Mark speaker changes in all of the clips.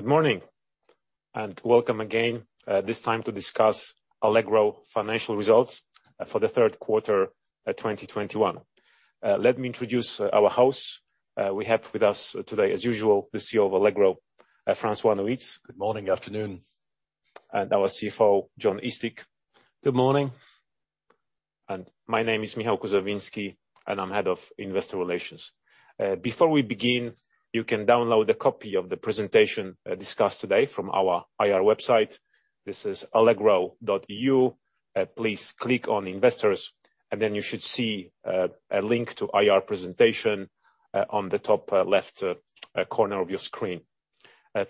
Speaker 1: Good morning and welcome again, this time to discuss Allegro Financial Results for the Q3 2021. Let me introduce our host. We have with us today, as usual, the CEO of Allegro, François Nuyts.
Speaker 2: Good morning, afternoon.
Speaker 1: Our CFO, Jon Eastick.
Speaker 3: Good morning.
Speaker 1: My name is Michal Kuzawinski, and I'm Head of Investor Relations. Before we begin, you can download a copy of the presentation discussed today from our IR website, allegro.eu. Please click on Investors, and then you should see a link to IR presentation on the top left corner of your screen.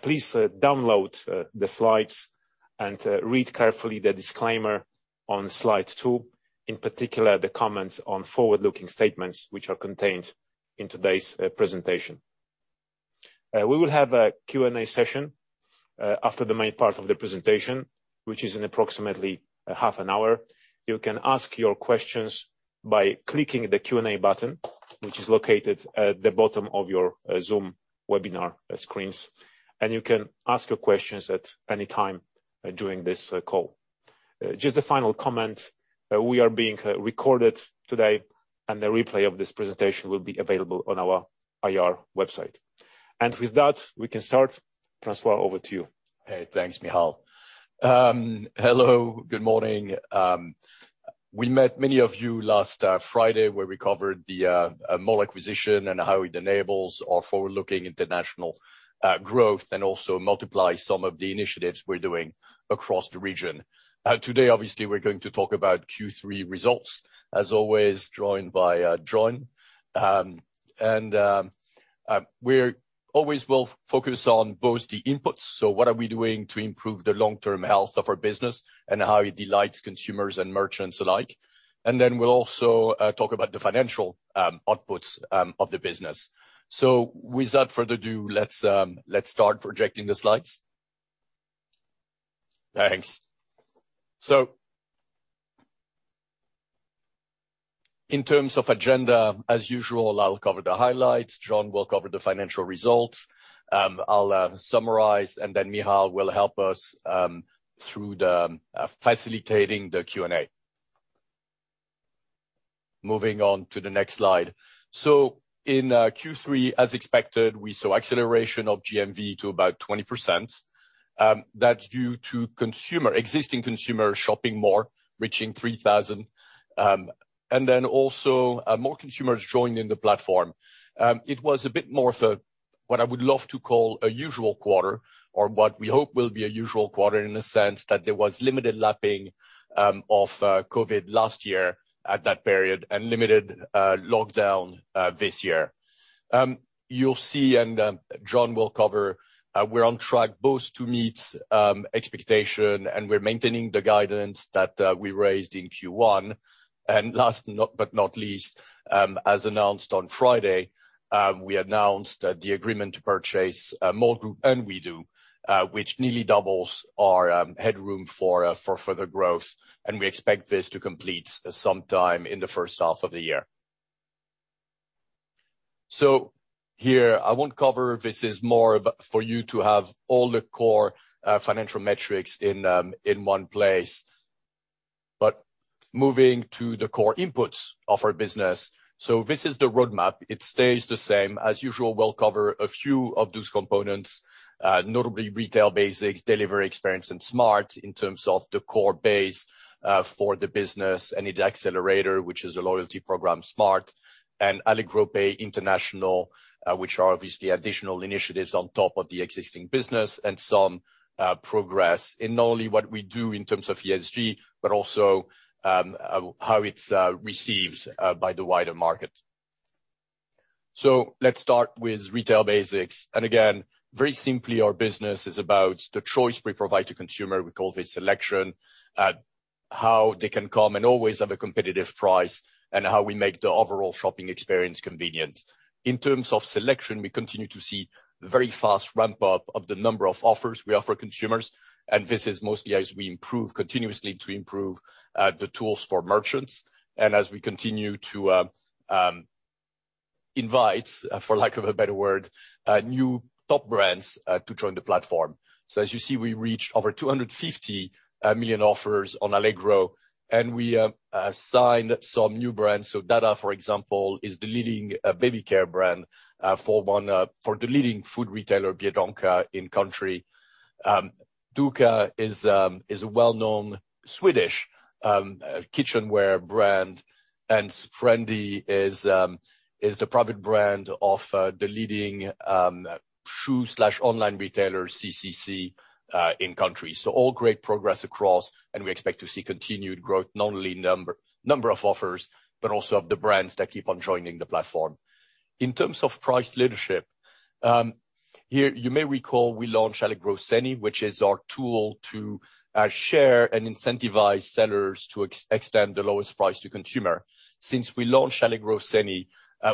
Speaker 1: Please download the slides and read carefully the disclaimer on slide two, in particular, the comments on forward-looking statements which are contained in today's presentation. We will have a Q&A session after the main part of the presentation, which is in approximately half an hour. You can ask your questions by clicking the Q&A button, which is located at the bottom of your Zoom webinar screens, and you can ask your questions at any time during this call. Just a final comment, we are being recorded today, and a replay of this presentation will be available on our IR website. With that, we can start. François, over to you.
Speaker 2: Hey, thanks, Michal. Hello, good morning. We met many of you last Friday, where we covered the Mall acquisition and how it enables our forward-looking international growth and also multiply some of the initiatives we're doing across the region. Today, obviously, we're going to talk about Q3 results, as always, joined by Jon. We're always will focus on both the inputs, so what are we doing to improve the long-term health of our business and how it delights consumers and merchants alike. Then we'll also talk about the financial outputs of the business. Without further ado, let's start projecting the slides. Thanks. In terms of agenda, as usual, I'll cover the highlights. Jon will cover the financial results. I'll summarize, and then Michal will help us through facilitating the Q&A. Moving on to the next slide. In Q3, as expected, we saw acceleration of GMV to about 20%. That's due to consumer, existing consumers shopping more, reaching 3,000. And then also, more consumers joining the platform. It was a bit more of, what I would love to call a usual quarter, or what we hope will be a usual quarter in the sense that there was limited lapping of COVID last year at that period and limited lockdown this year. You'll see, and Jon will cover, we're on track both to meet expectation, and we're maintaining the guidance that we raised in Q1. Last but not least, as announced on Friday, we announced the agreement to purchase Mall Group and WE|DO, which nearly doubles our headroom for further growth, and we expect this to complete sometime in the first half of the year. Here, I won't cover. This is more for you to have all the core financial metrics in one place. Moving to the core inputs of our business. This is the roadmap. It stays the same. As usual, we'll cover a few of those components, notably Retail Basics, Delivery Experience, and Smart! in terms of the core base, for the business and its accelerator, which is a loyalty program, Smart!, and Allegro Pay International, which are obviously additional initiatives on top of the existing business and some progress in not only what we do in terms of ESG, but also how it's received by the wider market. Let's start with Retail Basics. Again, very simply, our business is about the choice we provide to the consumer, we call this selection, how they can come and always have a competitive price, and how we make the overall shopping experience convenient. In terms of selection, we continue to see very fast ramp-up of the number of offers we offer consumers, and this is mostly as we improve continuously the tools for merchants and as we continue to invite, for lack of a better word, new top brands to join the platform. As you see, we reached over 250 million offers on Allegro, and we signed some new brands. Dada, for example, is the leading baby care brand for the leading food retailer, Biedronka, in country. Duka is a well-known Swedish kitchenware brand, and DeeZee is the private brand of the leading shoe/online retailer, CCC, in country. All great progress across, and we expect to see continued growth, not only number of offers, but also of the brands that keep on joining the platform. In terms of price leadership, here you may recall we launched Allegro Ceny, which is our tool to share and incentivize sellers to extend the lowest price to consumer. Since we launched Allegro Ceny,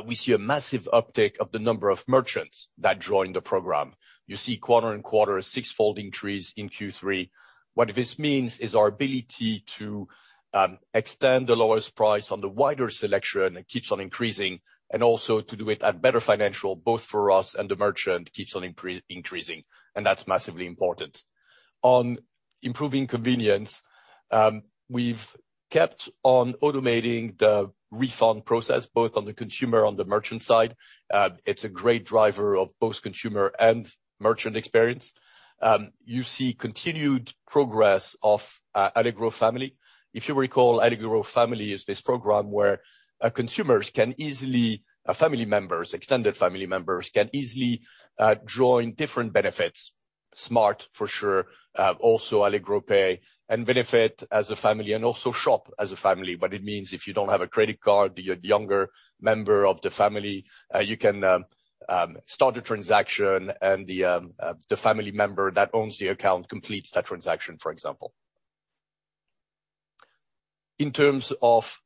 Speaker 2: we see a massive uptick of the number of merchants that joined the program. You see quarter-over-quarter a six-fold increase in Q3. What this means is our ability to extend the lowest price on the wider selection keeps on increasing, and also to do it at better financial, both for us and the merchant, keeps on increasing, and that's massively important. On improving convenience, we've kept on automating the refund process, both on the consumer and the merchant side. It's a great driver of both consumer and merchant experience. You see continued progress of Allegro Family. If you recall, Allegro Family is this program where family members, extended family members can easily join different benefits, Smart! for sure, also Allegro Pay, and benefit as a family and also shop as a family. It means if you don't have a credit card, the younger member of the family can start a transaction and the family member that owns the account completes that transaction, for example. In terms of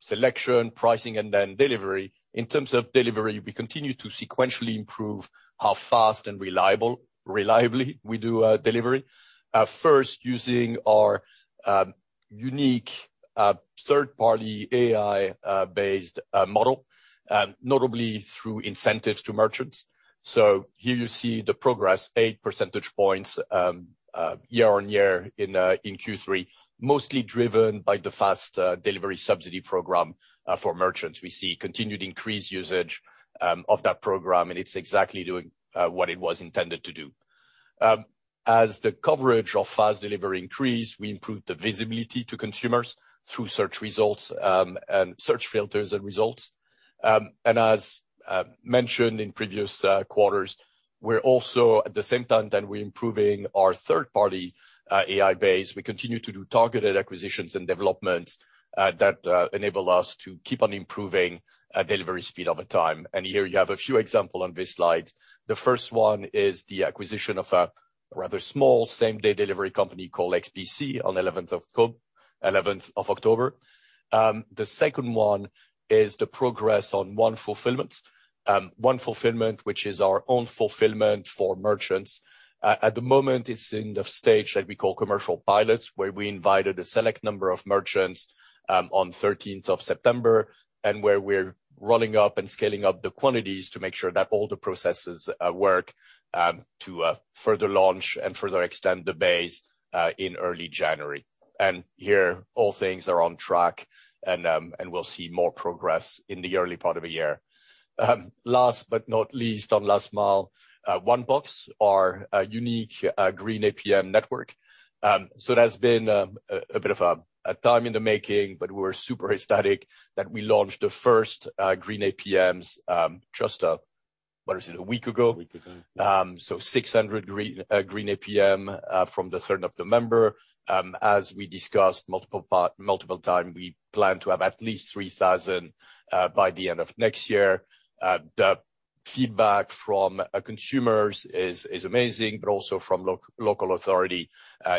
Speaker 2: selection, pricing, and then delivery. In terms of delivery, we continue to sequentially improve how fast and reliably we do delivery. First using our unique third-party AI-based model, notably through incentives to merchants. Here you see the progress, 8 percentage points year-on-year in Q3, mostly driven by the fast delivery subsidy program for merchants. We see continued increased usage of that program, and it's exactly doing what it was intended to do. As the coverage of fast delivery increased, we improved the visibility to consumers through search results and search filters and results. As mentioned in previous quarters, we're also at the same time that we're improving our third-party AI base, we continue to do targeted acquisitions and developments that enable us to keep on improving delivery speed over time. Here you have a few example on this slide. The first one is the acquisition of a rather small same-day delivery company called X-press Couriers on 11th of October. The second one is the progress on One Fulfillment. One Fulfillment, which is our own fulfillment for merchants. At the moment, it's in the stage that we call commercial pilots, where we invited a select number of merchants, on 13th of September, and where we're rolling up and scaling up the quantities to make sure that all the processes work to further launch and further extend the base, in early January. Here, all things are on track and we'll see more progress in the early part of the year. Last but not least, on last mile, One Box, our unique green APM network. That's been a bit of a time in the making, but we're super ecstatic that we launched the first green APMs just what is it a week ago?
Speaker 1: A week ago.
Speaker 2: Six hundred green APM from the 3rd of November. As we discussed multiple times, we plan to have at least 3,000 by the end of next year. The feedback from consumers is amazing, but also from local authority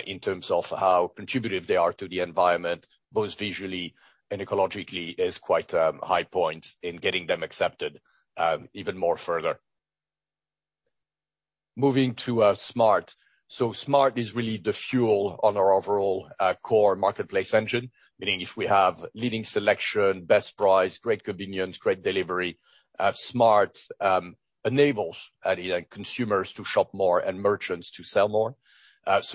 Speaker 2: in terms of how contributive they are to the environment, both visually and ecologically, is quite high points in getting them accepted even more further. Moving to Smart!. Smart! is really the fuel on our overall core marketplace engine. Meaning if we have leading selection, best price, great convenience, great delivery, Smart! enables any, like, consumers to shop more and merchants to sell more.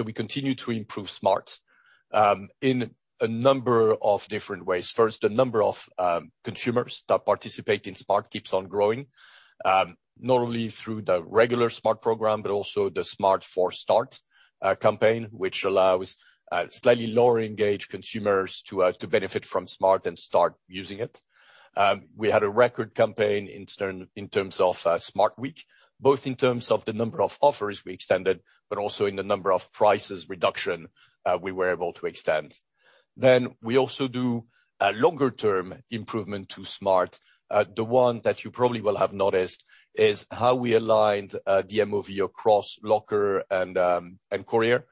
Speaker 2: We continue to improve Smart! in a number of different ways. First, the number of consumers that participate in Smart! keeps on growing, not only through the regular Smart! program, but also the Smart! na Start campaign, which allows slightly lower engaged consumers to benefit from Smart! and start using it. We had a record campaign in terms of Smart! Week, both in terms of the number of offers we extended, but also in the number of price reductions we were able to extend. We also do a longer-term improvement to Smart!. The one that you probably will have noticed is how we aligned the MOV across locker and courier.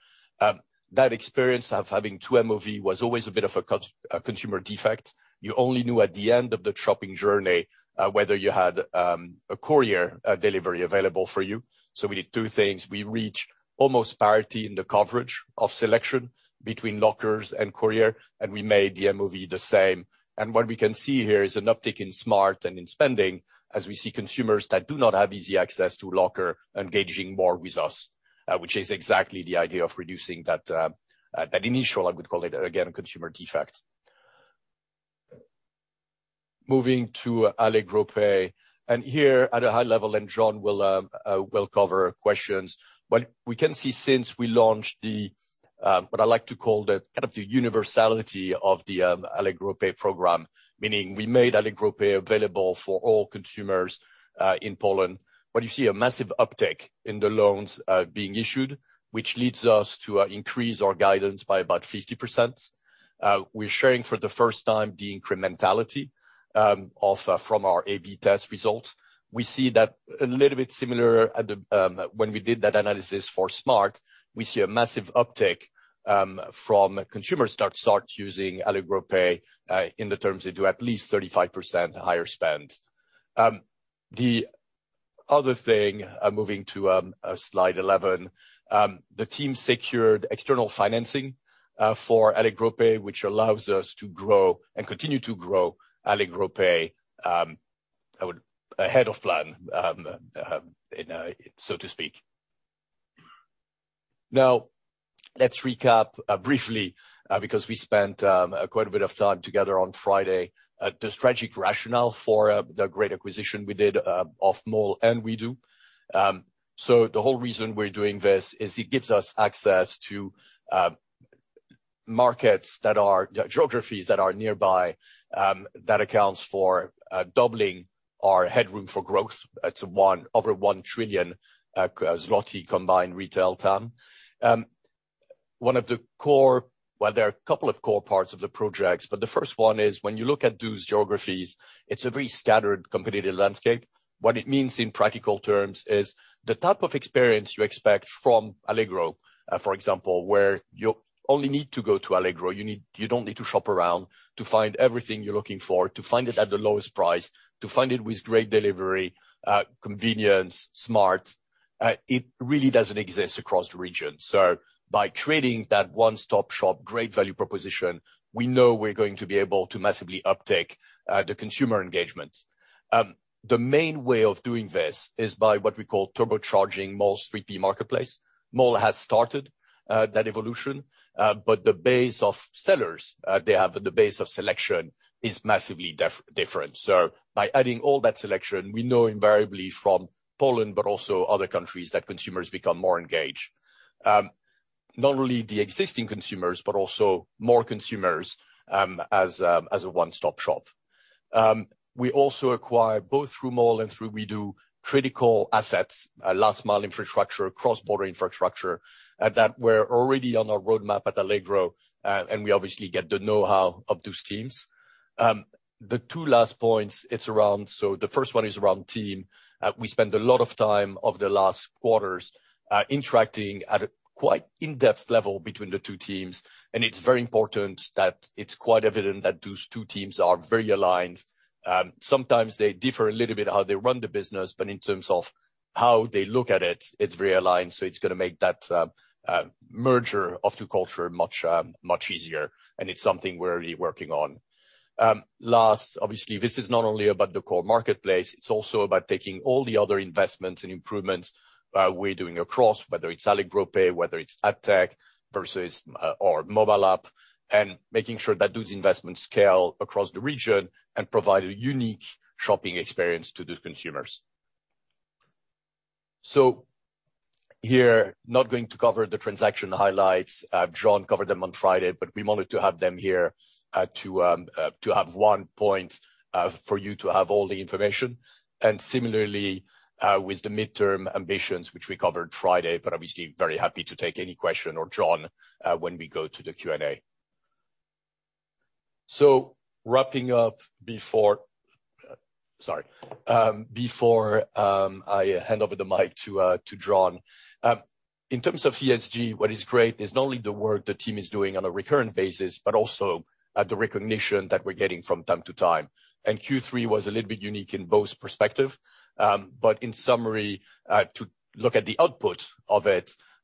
Speaker 2: That experience of having two MOV was always a bit of a consumer defect. You only knew at the end of the shopping journey whether you had a courier delivery available for you. We did two things. We reached almost parity in the coverage of selection between lockers and courier, and we made the MOV the same. What we can see here is an uptick in Smart! and in spending as we see consumers that do not have easy access to locker engaging more with us, which is exactly the idea of reducing that initial, I would call it again, consumer defect. Moving to Allegro Pay. Here at a high level, and Jon will cover questions. What we can see since we launched the what I like to call the kind of the universality of the Allegro Pay program, meaning we made Allegro Pay available for all consumers in Poland. You see a massive uptick in the loans being issued, which leads us to increase our guidance by about 50%. We're sharing for the first time the incrementality of our A/B test results. We see that a little bit similar to when we did that analysis for Smart!. We see a massive uptick from consumers that start using Allegro Pay in terms of at least 35% higher spend. The other thing moving to slide 11. The team secured external financing for Allegro Pay, which allows us to grow and continue to grow Allegro Pay ahead of plan, you know, so to speak. Now, let's recap briefly because we spent quite a bit of time together on Friday, the strategic rationale for the great acquisition we did of Mall and WE|DO. The whole reason we're doing this is it gives us access to geographies that are nearby that accounts for doubling our headroom for growth. It's over 1 trillion zloty combined retail TAM. Well, there are a couple of core parts of the projects, but the first one is when you look at those geographies, it's a very scattered competitive landscape. What it means in practical terms is the type of experience you expect from Allegro, for example, where you only need to go to Allegro. You don't need to shop around to find everything you're looking for, to find it at the lowest price, to find it with great delivery, convenience, Smart!. It really doesn't exist across the region. By creating that one-stop-shop, great value proposition, we know we're going to be able to massively uptake the consumer engagement. The main way of doing this is by what we call turbocharging Mall's 3P marketplace. Mall has started that evolution, but the base of sellers they have, the base of selection is massively different. By adding all that selection, we know invariably from Poland, but also other countries, that consumers become more engaged. Not only the existing consumers, but also more consumers, as a one-stop shop. We also acquire, both through Mall and through WE|DO, critical assets, last mile infrastructure, cross-border infrastructure, that were already on our roadmap at Allegro, and we obviously get the know-how of those teams. The two last points, it's around, so the first one is around team. We spent a lot of time over the last quarters, interacting at a quite in-depth level between the two teams, and it's very important that it's quite evident that those two teams are very aligned. Sometimes they differ a little bit how they run the business, but in terms of how they look at it's very aligned, so it's going to make that merger of the culture much easier, and it's something we're really working on. Last, obviously, this is not only about the core marketplace, it's also about taking all the other investments and improvements we're doing across, whether it's Allegro Pay, whether it's Apptech versus or mobile app, and making sure that those investments scale across the region and provide a unique shopping experience to the consumers. Here, not going to cover the transaction highlights. Jon covered them on Friday, but we wanted to have them here to have one point for you to have all the information. Similarly, with the midterm ambitions, which we covered Friday, but obviously very happy to take any question, or Jon, when we go to the Q&A. Wrapping up before I hand over the mic to Jon. In terms of ESG, what is great is not only the work the team is doing on a recurrent basis, but also the recognition that we're getting from time to time. Q3 was a little bit unique in both perspective. In summary, to look at the output of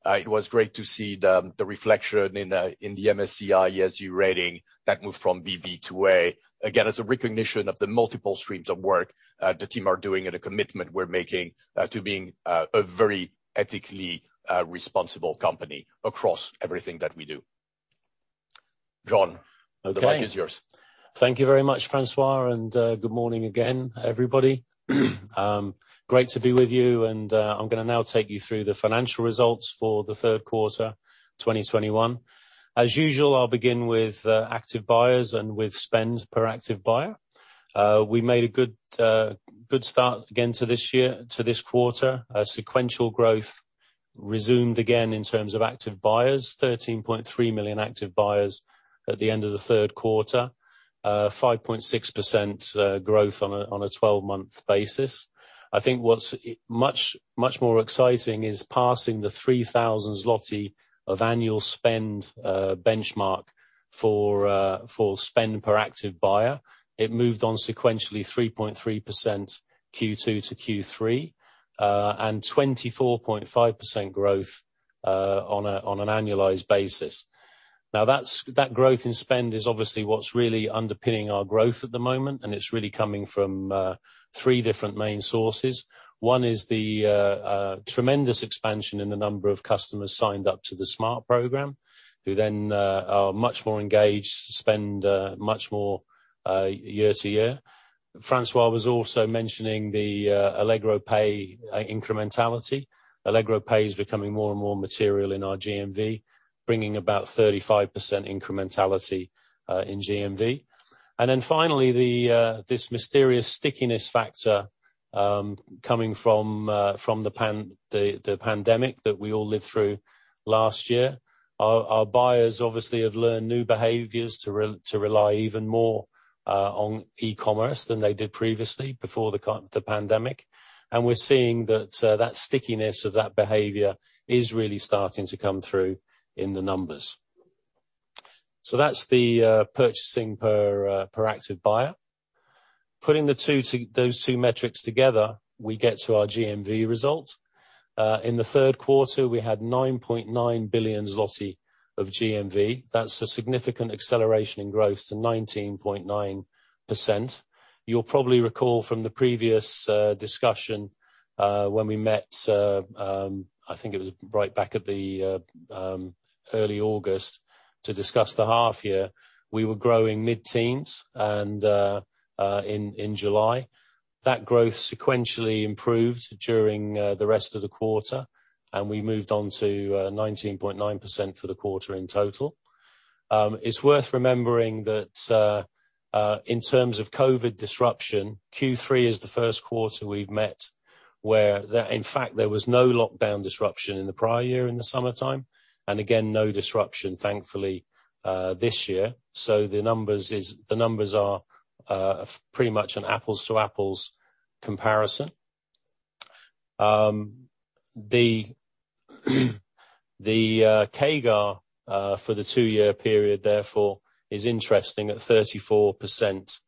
Speaker 2: it was great to see the reflection in the MSCI ESG rating that moved from BB to A. Again, it's a recognition of the multiple streams of work, the team are doing and a commitment we're making, to being a very ethically responsible company across everything that we do. Jon.
Speaker 3: Okay.
Speaker 2: The mic is yours.
Speaker 3: Thank you very much, François, and good morning again, everybody. Great to be with you and, I'm going to now take you through the financial results for the Q3 2021. As usual, I'll begin with active buyers and with spends per active buyer. We made a good start again to this year, to this quarter. Sequential growth resumed again in terms of active buyers, 13.3 million active buyers at the end of the Q3. 5.6% growth on a 12-month basis. I think what's much more exciting is passing the 3,000 zloty of annual spend benchmark for spend per active buyer. It moved on sequentially 3.3% Q2 to Q3, and 24.5% growth on an annualized basis. Now, that growth in spend is obviously what's really underpinning our growth at the moment, and it's really coming from three different main sources. One is the tremendous expansion in the number of customers signed up to the Smart! Program, who then are much more engaged, spend much more year-to-year. François was also mentioning the Allegro Pay incrementality. Allegro Pay is becoming more and more material in our GMV, bringing about 35% incrementality in GMV. Then finally, this mysterious stickiness factor coming from the pandemic that we all lived through last year. Our buyers obviously have learned new behaviors to rely even more on e-commerce than they did previously before the pandemic. We're seeing that stickiness of that behavior is really starting to come through in the numbers. That's the purchasing per active buyer. Putting those two metrics together, we get to our GMV result. In the Q3, we had 9.9 billion zloty of GMV. That's a significant acceleration in growth to 19.9%. You'll probably recall from the previous discussion, when we met, I think it was right back at the early August to discuss the half year, we were growing mid-teens in July. That growth sequentially improved during the rest of the quarter, and we moved on to 19.9% for the quarter in total. It's worth remembering that in terms of COVID disruption, Q3 is the first quarter we've met where in fact there was no lockdown disruption in the prior year in the summertime. Again, no disruption thankfully this year. The numbers are pretty much an apples to apples comparison. The CAGR for the two-year period therefore is interesting at 34%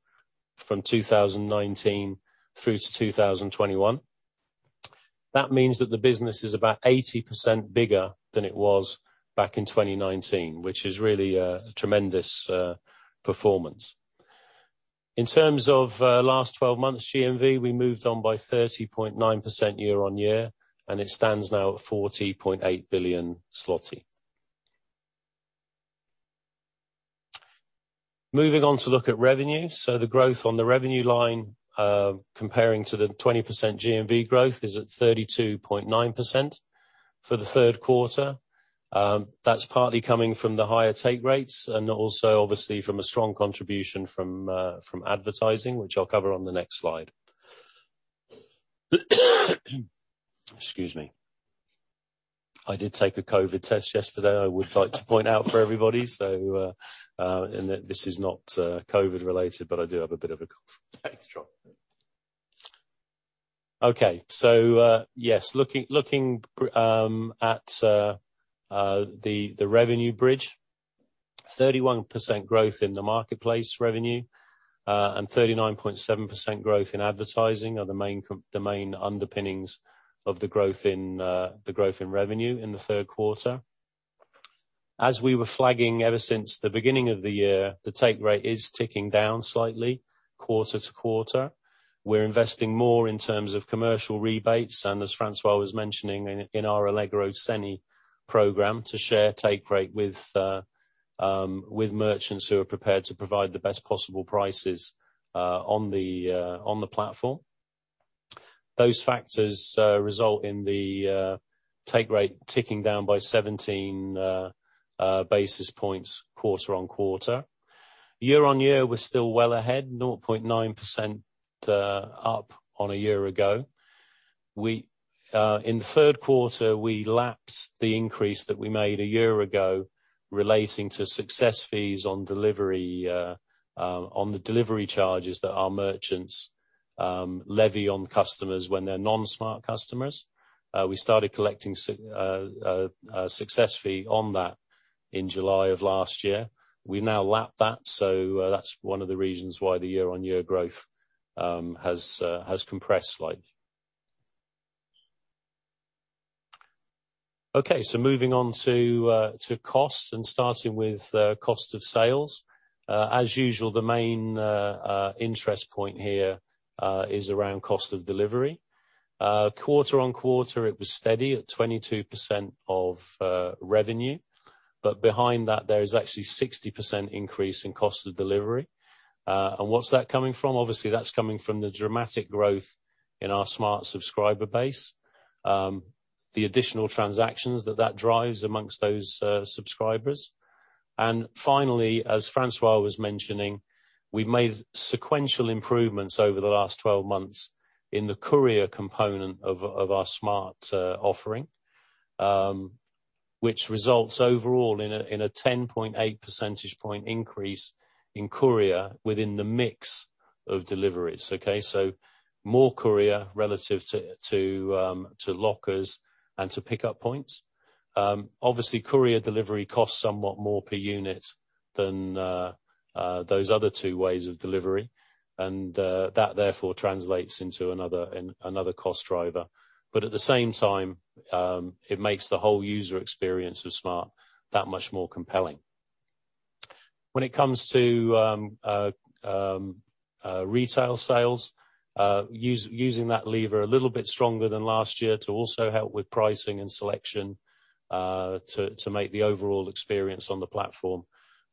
Speaker 3: from 2019 through to 2021. That means that the business is about 80% bigger than it was back in 2019, which is really a tremendous performance. In terms of last twelve months GMV, we moved on by 30.9% year-on-year, and it stands now at 40.8 billion zloty. Moving on to look at revenue. The growth on the revenue line, comparing to the 20% GMV growth is at 32.9% for the Q3. That's partly coming from the higher take rates and also obviously from a strong contribution from advertising, which I'll cover on the next slide. Excuse me. I did take a COVID test yesterday, I would like to point out for everybody. This is not COVID-related, but I do have a bit of a cough.
Speaker 2: Thanks, Jon. Yes, looking at the revenue bridge, 31% growth in the marketplace revenue and 39.7% growth in advertising are the main underpinnings of the growth in revenue in the Q3.
Speaker 3: As we were flagging ever since the beginning of the year, the take rate is ticking down slightly quarter-to-quarter. We're investing more in terms of commercial rebates, and as François was mentioning in our Allegro Ceny program, to share take rate with merchants who are prepared to provide the best possible prices on the platform. Those factors result in the take rate ticking down by 17 basis points quarter-on-quarter. Year-on-year, we're still well ahead, 0.9% up on a year ago. We in the Q3 lapsed the increase that we made a year ago relating to success fees on delivery on the delivery charges that our merchants levy on customers when they're non-Smart! customers. We started collecting a success fee on that in July of last year. We now lap that, so that's one of the reasons why the year-on-year growth has compressed slightly. Okay, moving on to costs and starting with cost of sales. As usual, the main interest point here is around cost of delivery. Quarter-on-quarter, it was steady at 22% of revenue. Behind that, there is actually 60% increase in cost of delivery. What's that coming from? Obviously, that's coming from the dramatic growth in our Smart! subscriber base, the additional transactions that that drives amongst those subscribers. Finally, as François was mentioning, we've made sequential improvements over the last 12 months in the courier component of our Smart! offering, which results overall in a 10.8 percentage point increase in courier within the mix of deliveries. More courier relative to lockers and to pickup points. Obviously, courier delivery costs somewhat more per unit than those other two ways of delivery, and that therefore translates into another cost driver. At the same time, it makes the whole user experience with Smart! that much more compelling. When it comes to retail sales, using that lever a little bit stronger than last year to also help with pricing and selection, to make the overall experience on the platform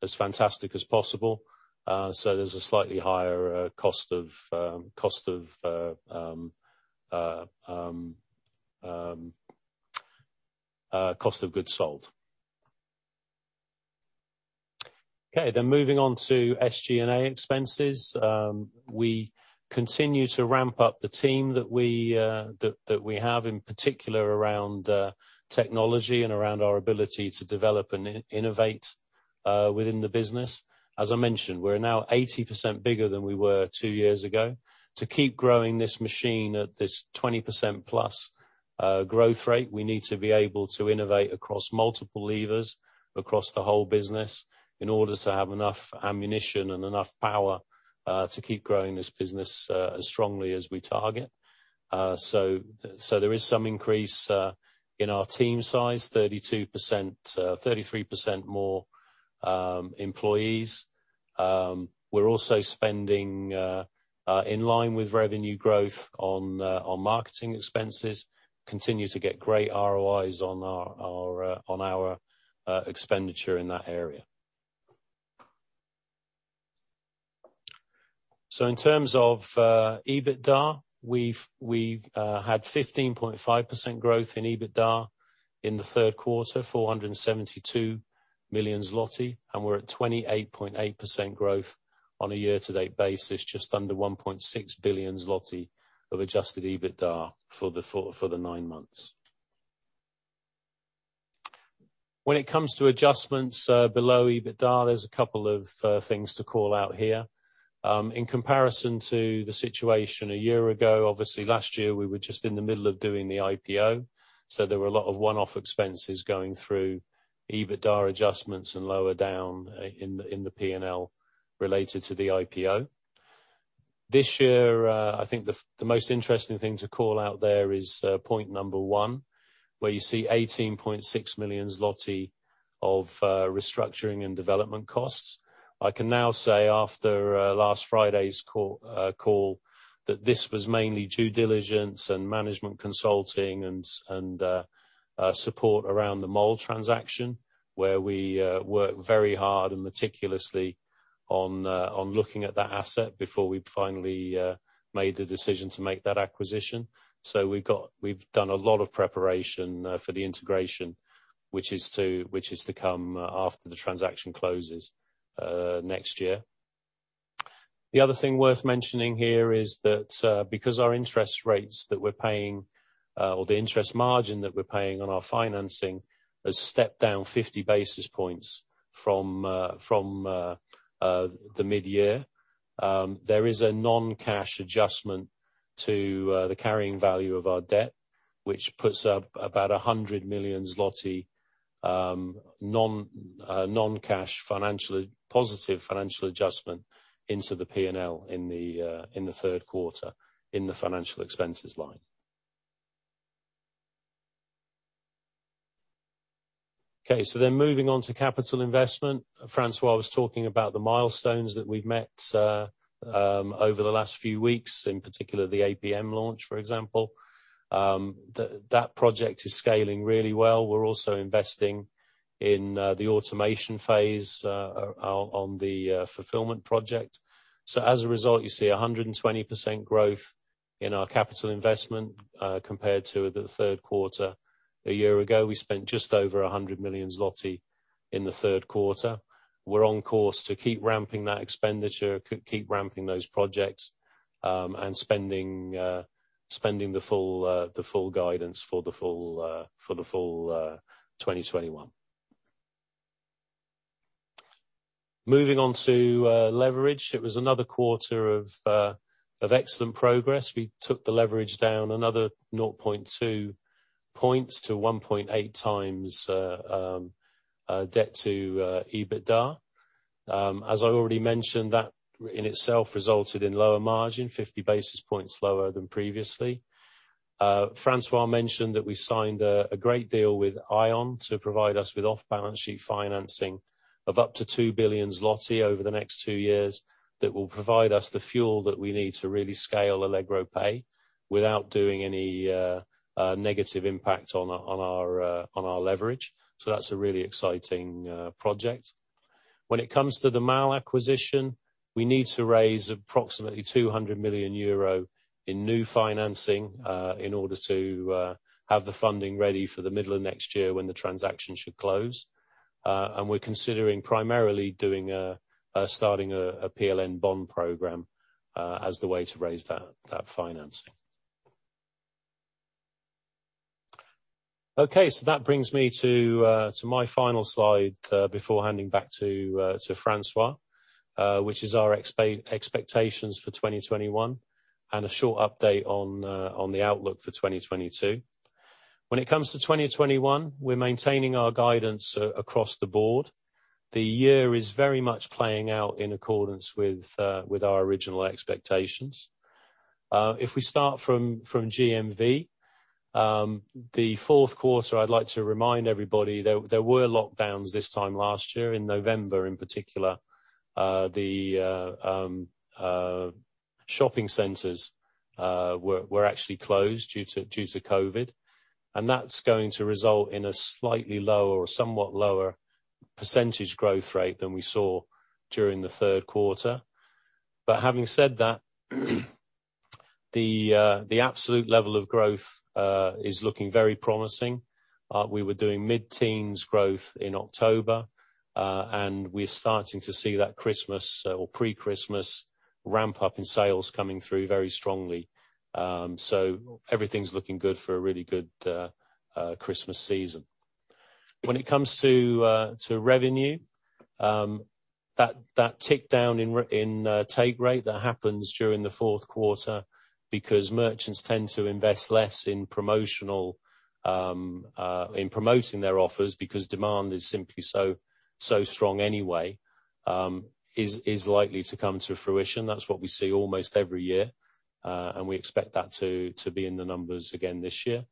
Speaker 3: as fantastic as possible. There's a slightly higher cost of goods sold. Okay, moving on to SG&A expenses. We continue to ramp up the team that we have in particular around technology and around our ability to develop and innovate within the business. As I mentioned, we're now 80% bigger than we were two years ago. To keep growing this machine at this 20%+ growth rate, we need to be able to innovate across multiple levers across the whole business in order to have enough ammunition and enough power to keep growing this business as strongly as we target. There is some increase in our team size, 32%, 33% more employees. We're also spending in line with revenue growth on marketing expenses, continue to get great ROIs on our expenditure in that area. In terms of EBITDA, we've had 15.5% growth in EBITDA in the Q3, 472 million zloty, and we're at 28.8% growth on a year-to-date basis, just under 1.6 billion zloty of adjusted EBITDA for the nine months. When it comes to adjustments below EBITDA, there's a couple of things to call out here. In comparison to the situation a year ago, obviously last year we were just in the middle of doing the IPO, so there were a lot of one-off expenses going through EBITDA adjustments and lower down in the P&L related to the IPO. This year, I think the most interesting thing to call out there is point number one, where you see 18.6 million zloty of restructuring and development costs. I can now say after last Friday's call that this was mainly due diligence and management consulting and support around the mall transaction, where we worked very hard and meticulously on looking at that asset before we finally made the decision to make that acquisition. We've done a lot of preparation for the integration, which is to come after the transaction closes next year. The other thing worth mentioning here is that, because our interest rates that we're paying, or the interest margin that we're paying on our financing has stepped down 50 basis points from the mid-year, there is a non-cash adjustment to the carrying value of our debt, which puts up about 100 million zloty non-cash financially positive financial adjustment into the P&L in the Q3, in the financial expenses line. Okay, moving on to capital investment. François was talking about the milestones that we've met over the last few weeks, in particular the APM launch, for example. That project is scaling really well. We're also investing in the automation phase on the fulfillment project. As a result, you see 120% growth in our capital investment, compared to the Q3 a year ago. We spent just over 100 million zloty in the Q3. We're on course to keep ramping that expenditure, keep ramping those projects, and spending the full guidance for the full 2021. Moving on to leverage. It was another quarter of excellent progress. We took the leverage down another 0.2 points to 1.8x debt to EBITDA. As I already mentioned, that in itself resulted in lower margin, 50 basis points lower than previously. François mentioned that we signed a great deal with Aion to provide us with off-balance sheet financing of up to 2 billion zloty over the next two years that will provide us the fuel that we need to really scale Allegro Pay without doing any negative impact on our leverage. That's a really exciting project. When it comes to the Mall acquisition, we need to raise approximately 200 million euro in new financing in order to have the funding ready for the middle of next year when the transaction should close. We're considering primarily starting a PLN bond program as the way to raise that financing. Okay, that brings me to my final slide before handing back to François, which is our expectations for 2021, and a short update on the outlook for 2022. When it comes to 2021, we're maintaining our guidance across the board. The year is very much playing out in accordance with our original expectations. If we start from GMV, the Q4, I'd like to remind everybody there were lockdowns this time last year in November in particular. The shopping centers were actually closed due to COVID, and that's going to result in a slightly lower or somewhat lower percentage growth rate than we saw during the Q3. Having said that, the absolute level of growth is looking very promising. We were doing mid-teens growth in October, and we're starting to see that Christmas or pre-Christmas ramp up in sales coming through very strongly. So everything's looking good for a really good Christmas season. When it comes to revenue, that tick down in our take rate that happens during the Q4 because merchants tend to invest less in promoting their offers because demand is simply so strong anyway is likely to come to fruition. That's what we see almost every year. We expect that to be in the numbers again this year.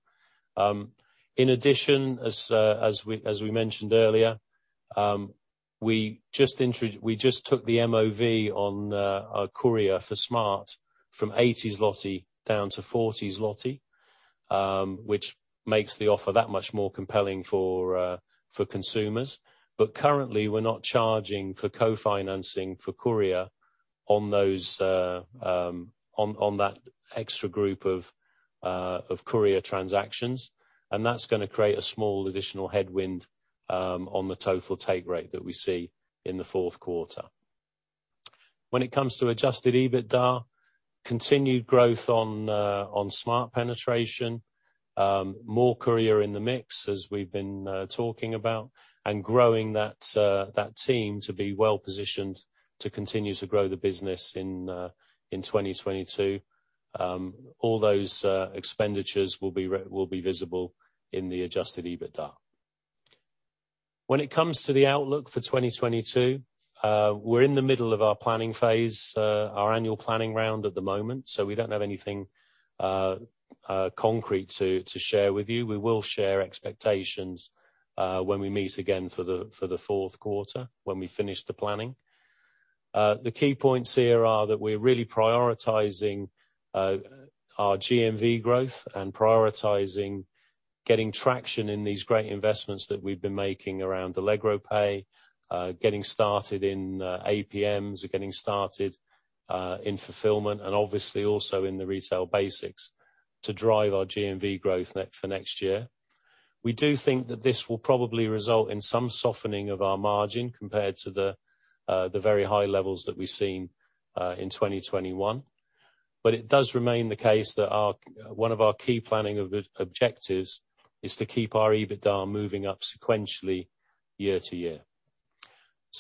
Speaker 3: In addition, as we mentioned earlier, we just took the MOV on our courier for Smart! from 80 down to 40, which makes the offer that much more compelling for consumers. Currently, we're not charging for co-financing for courier on those on that extra group of courier transactions. That's going to create a small additional headwind on the total take rate that we see in the Q4. When it comes to adjusted EBITDA, continued growth on Smart! penetration, more courier in the mix as we've been talking about, and growing that team to be well positioned to continue to grow the business in 2022. All those expenditures will be visible in the adjusted EBITDA. When it comes to the outlook for 2022, we're in the middle of our planning phase, our annual planning round at the moment, so we don't have anything concrete to share with you. We will share expectations when we meet again for the Q4 when we finish the planning. The key points here are that we're really prioritizing our GMV growth and prioritizing getting traction in these great investments that we've been making around Allegro Pay, getting started in APMs, getting started in fulfillment, and obviously also in the retail basics to drive our GMV growth for next year. We do think that this will probably result in some softening of our margin compared to the very high levels that we've seen in 2021. It does remain the case that our, one of our key planning objectives is to keep our EBITDA moving up sequentially year-to-year.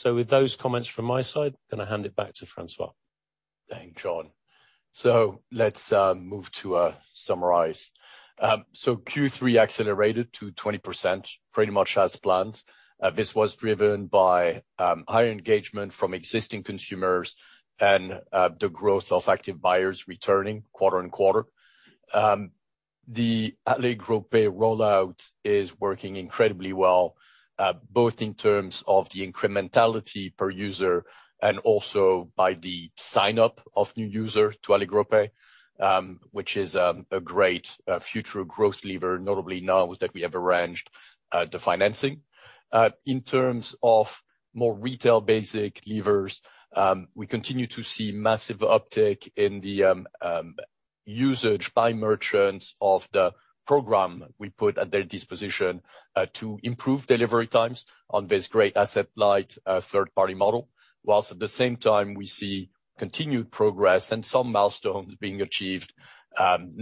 Speaker 3: With those comments from my side, going to hand it back to François.
Speaker 2: Thank you, Jon. Let's move to summarize. Q3 accelerated to 20%, pretty much as planned. This was driven by higher engagement from existing consumers and the growth of active buyers returning quarter-on-quarter. The Allegro Pay rollout is working incredibly well, both in terms of the incrementality per user and also by the sign-up of new user to Allegro Pay, which is a great future growth lever, notably now that we have arranged the financing. In terms of more retail basic levers, we continue to see massive uptick in the usage by merchants of the program we put at their disposition, to improve delivery times on this great asset-light third-party model. While at the same time, we see continued progress and some milestones being achieved,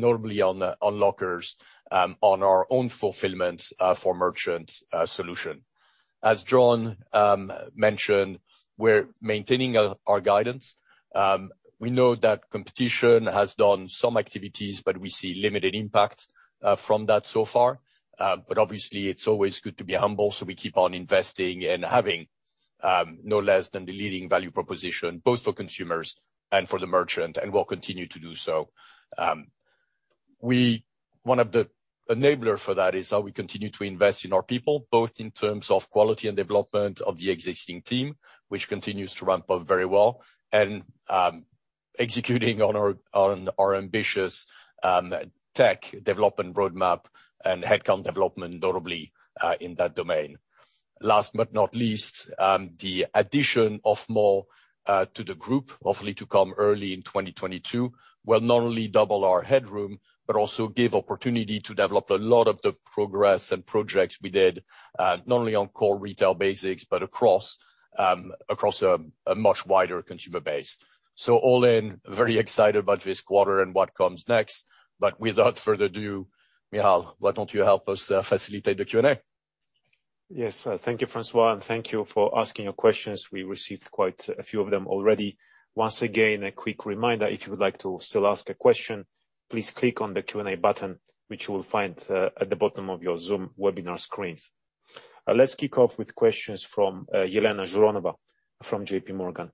Speaker 2: notably on lockers, on our own fulfillment for merchant solution. As Jon mentioned, we're maintaining our guidance. We know that competition has done some activities, but we see limited impact from that so far. But obviously it's always good to be humble, so we keep on investing and having no less than the leading value proposition, both for consumers and for the merchant, and we'll continue to do so. One of the enabler for that is how we continue to invest in our people, both in terms of quality and development of the existing team, which continues to ramp up very well, and executing on our ambitious tech development roadmap and headcount development, notably in that domain. Last but not least, the addition of Mall to the group, hopefully to come early in 2022, will not only double our headroom but also give opportunity to develop a lot of the progress and projects we did not only on core retail basics, but across a much wider consumer base. All in, very excited about this quarter and what comes next. Without further ado, Michal, why don't you help us facilitate the Q&A?
Speaker 1: Yes. Thank you, François, and thank you for asking your questions. We received quite a few of them already. Once again, a quick reminder, if you would like to still ask a question, please click on the Q&A button, which you will find at the bottom of your Zoom webinar screens. Let's kick off with questions from Elena Zhuravleva from JPMorgan.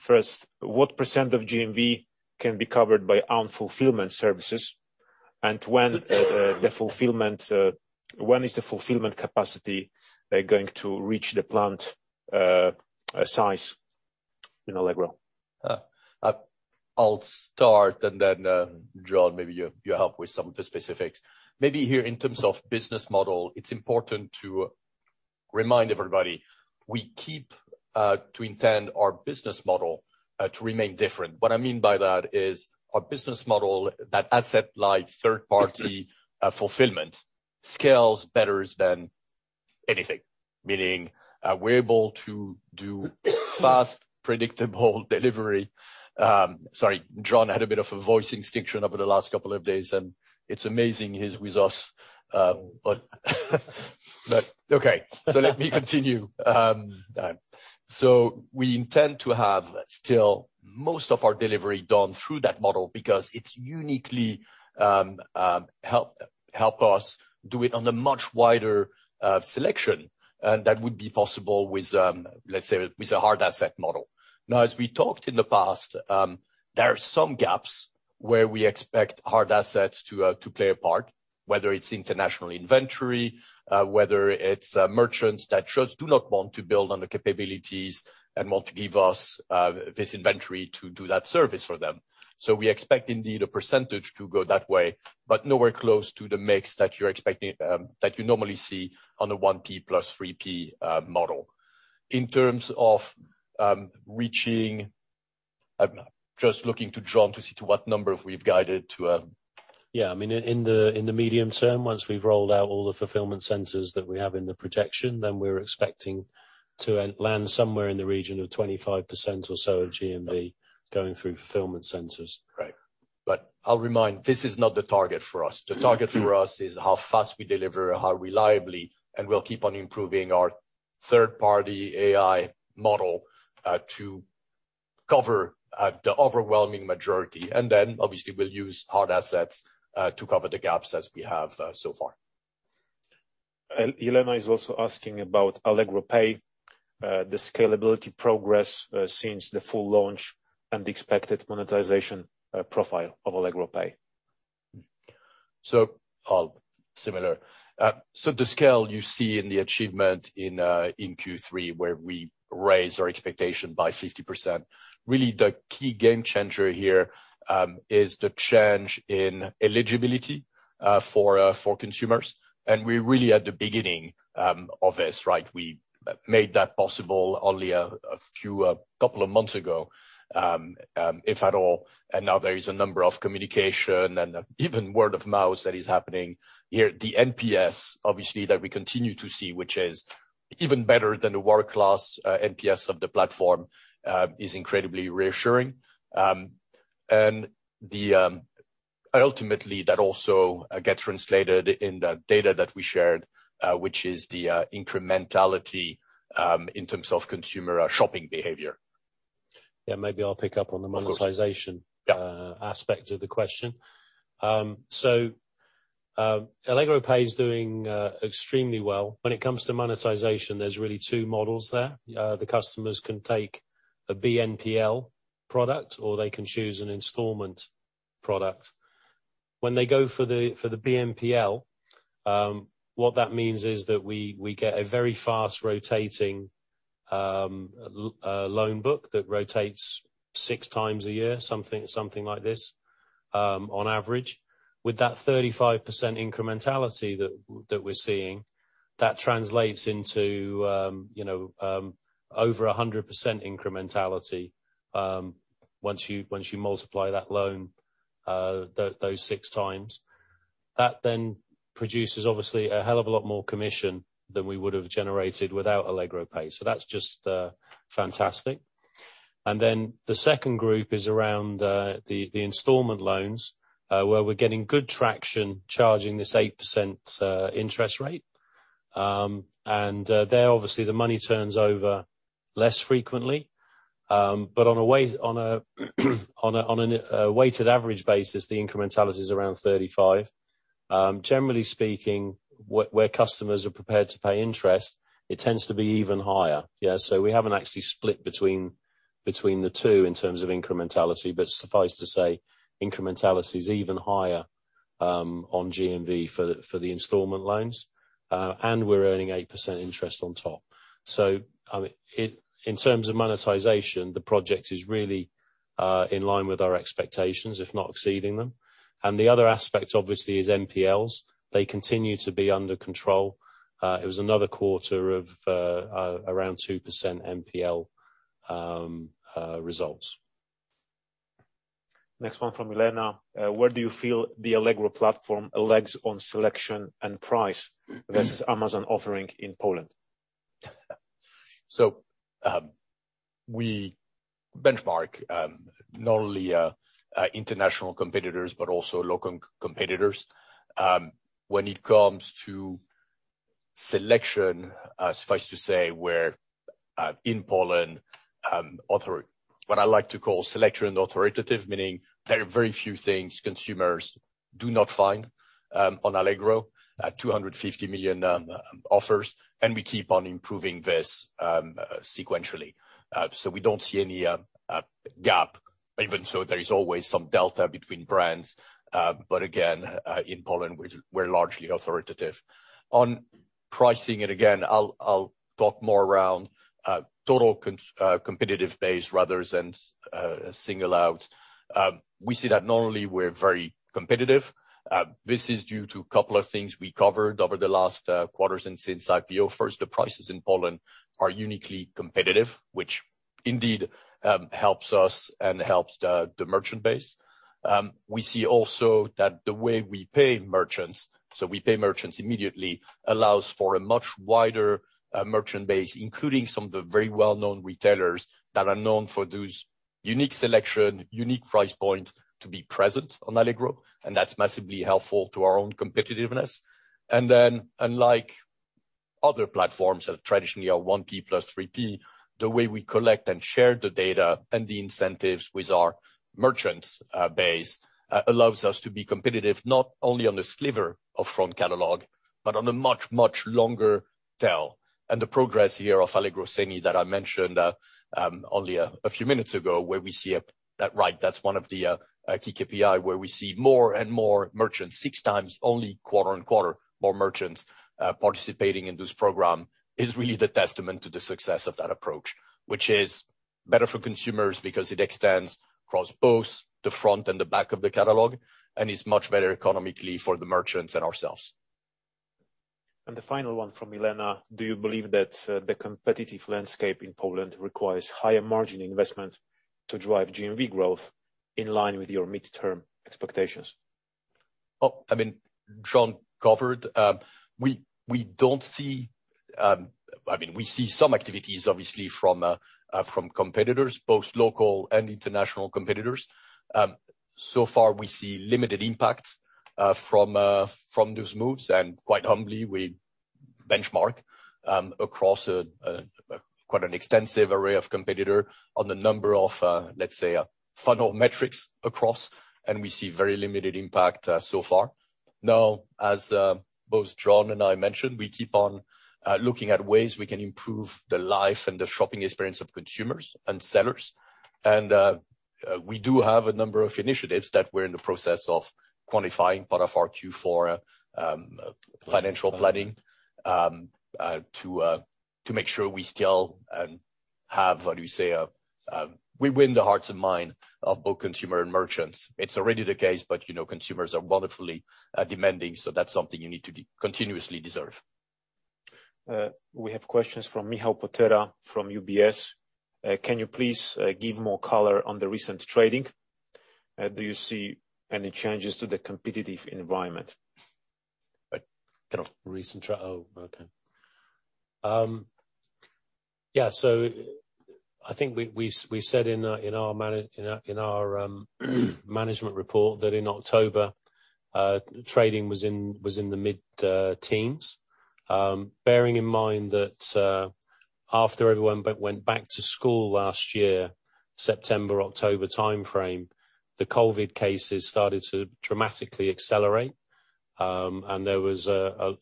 Speaker 1: First, what % of GMV can be covered by own fulfillment services? And when is the fulfillment capacity going to reach the planned size in Allegro?
Speaker 2: I'll start, and then, Jon, maybe you help with some of the specifics. Maybe here in terms of business model, it's important to remind everybody. We intend to keep our business model to remain different. What I mean by that is our business model, that asset light third-party fulfillment scales better than anything. Meaning, we're able to do fast, predictable delivery. Sorry, Jon had a bit of a voice infection over the last couple of days, and it's amazing he's with us, but okay. Let me continue. We intend to have still most of our delivery done through that model because it's uniquely help us do it on a much wider selection, and that would be possible with, let's say, with a hard asset model. Now, as we talked in the past, there are some gaps where we expect hard assets to play a part, whether it's international inventory, whether it's merchants that just do not want to build on the capabilities and want to give us this inventory to do that service for them. We expect indeed a percentage to go that way, but nowhere close to the mix that you're expecting, that you normally see on a 1P plus 3P model. In terms of reaching, I'm just looking to Jon to see to what number we've guided to.
Speaker 3: Yeah. I mean, in the medium term, once we've rolled out all the fulfillment centers that we have in the projection, then we're expecting to land somewhere in the region of 25% or so of GMV going through fulfillment centers.
Speaker 2: Right. I'll remind, this is not the target for us. The target for us is how fast we deliver, how reliably, and we'll keep on improving our third-party AI model to cover the overwhelming majority. Obviously, we'll use hard assets to cover the gaps as we have so far.
Speaker 1: Elena is also asking about Allegro Pay, the scalability progress since the full launch and the expected monetization profile of Allegro Pay.
Speaker 2: Similar. The scale you see in the achievement in Q3, where we raised our expectation by 50%, really the key game changer here is the change in eligibility for consumers. We're really at the beginning of this, right? We made that possible only a few, a couple of months ago, if at all. Now there is a number of communication and even word of mouth that is happening. Here, the NPS, obviously, that we continue to see, which is even better than the world-class NPS of the platform, is incredibly reassuring. Ultimately, that also gets translated in the data that we shared, which is the incrementality in terms of consumer shopping behavior.
Speaker 3: Yeah, maybe I'll pick up on the monetization.
Speaker 2: Of course.
Speaker 3: Aspect of the question. Allegro Pay is doing extremely well. When it comes to monetization, there's really two models there. The customers can take a BNPL product, or they can choose an installment product. When they go for the BNPL, what that means is that we get a very fast rotating loan book that rotates 6x a year, something like this, on average. With that 35% incrementality that we're seeing, that translates into, you know, over 100% incrementality, once you multiply that loan those 6x. That then produces obviously a hell of a lot more commission than we would have generated without Allegro Pay. That's just fantastic. Then the second group is around the installment loans where we're getting good traction charging this 8% interest rate. There, obviously the money turns over less frequently. But on a weighted average basis, the incrementality is around 35%. Generally speaking, where customers are prepared to pay interest, it tends to be even higher. Yeah. We haven't actually split between the two in terms of incrementality, but suffice to say incrementality is even higher on GMV for the installment loans and we're earning 8% interest on top. I mean, in terms of monetization, the project is really in line with our expectations, if not exceeding them. The other aspect, obviously is NPLs. They continue to be under control. It was another quarter of around 2% NPL results.
Speaker 1: Next one from Elena. Where do you feel the Allegro platform lags on selection and price versus Amazon offering in Poland?
Speaker 2: We benchmark not only international competitors, but also local competitors. When it comes to selection, suffice to say we're in Poland. What I like to call selection authoritative, meaning there are very few things consumers do not find on Allegro at 250 million offers, and we keep on improving this sequentially. We don't see any gap, even so there is always some delta between brands, but again, in Poland, we're largely authoritative. On pricing, again, I'll talk more around total competitive base rather than single out. We see that normally we're very competitive. This is due to a couple of things we covered over the last quarters and since IPO. First, the prices in Poland are uniquely competitive, which indeed helps us and helps the merchant base. We see also that the way we pay merchants, so we pay merchants immediately, allows for a much wider merchant base, including some of the very well-known retailers that are known for those unique selection, unique price point to be present on Allegro, and that's massively helpful to our own competitiveness. Unlike other platforms that traditionally are 1P plus 3P, the way we collect and share the data and the incentives with our merchants base allows us to be competitive not only on the sliver of front catalog, but on a much, much longer tail. The progress here of Allegro Ceny that I mentioned only a few minutes ago, where we see that's one of the key KPI where we see more and more merchants, 6x quarter-on-quarter more merchants participating in this program, is really the testament to the success of that approach, which is better for consumers because it extends across both the front and the back of the catalog and is much better economically for the merchants and ourselves.
Speaker 1: The final one from Elena, do you believe that, the competitive landscape in Poland requires higher margin investment to drive GMV growth in line with your midterm expectations?
Speaker 2: I mean, Jon covered. We don't see. I mean, we see some activities obviously from competitors, both local and international competitors. So far, we see limited impacts from those moves, and quite humbly, we benchmark across a quite extensive array of competitors on the number of, let's say, funnel metrics across, and we see very limited impact so far. Now, as both Jon and I mentioned, we keep on looking at ways we can improve the life and the shopping experience of consumers and sellers. We do have a number of initiatives that we're in the process of quantifying part of our Q4 financial planning to make sure we still have, how do you say it, we win the hearts and mind of both consumer and merchants. It's already the case, but, you know, consumers are wonderfully demanding, so that's something you need to be continuously deserve.
Speaker 1: We have questions from Michał Potyra from UBS. Can you please give more color on the recent trading? Do you see any changes to the competitive environment?
Speaker 3: Yeah, I think we said in our management report that in October trading was in the mid-teens. Bearing in mind that after everyone went back to school last year, September-October timeframe, the COVID cases started to dramatically accelerate. There was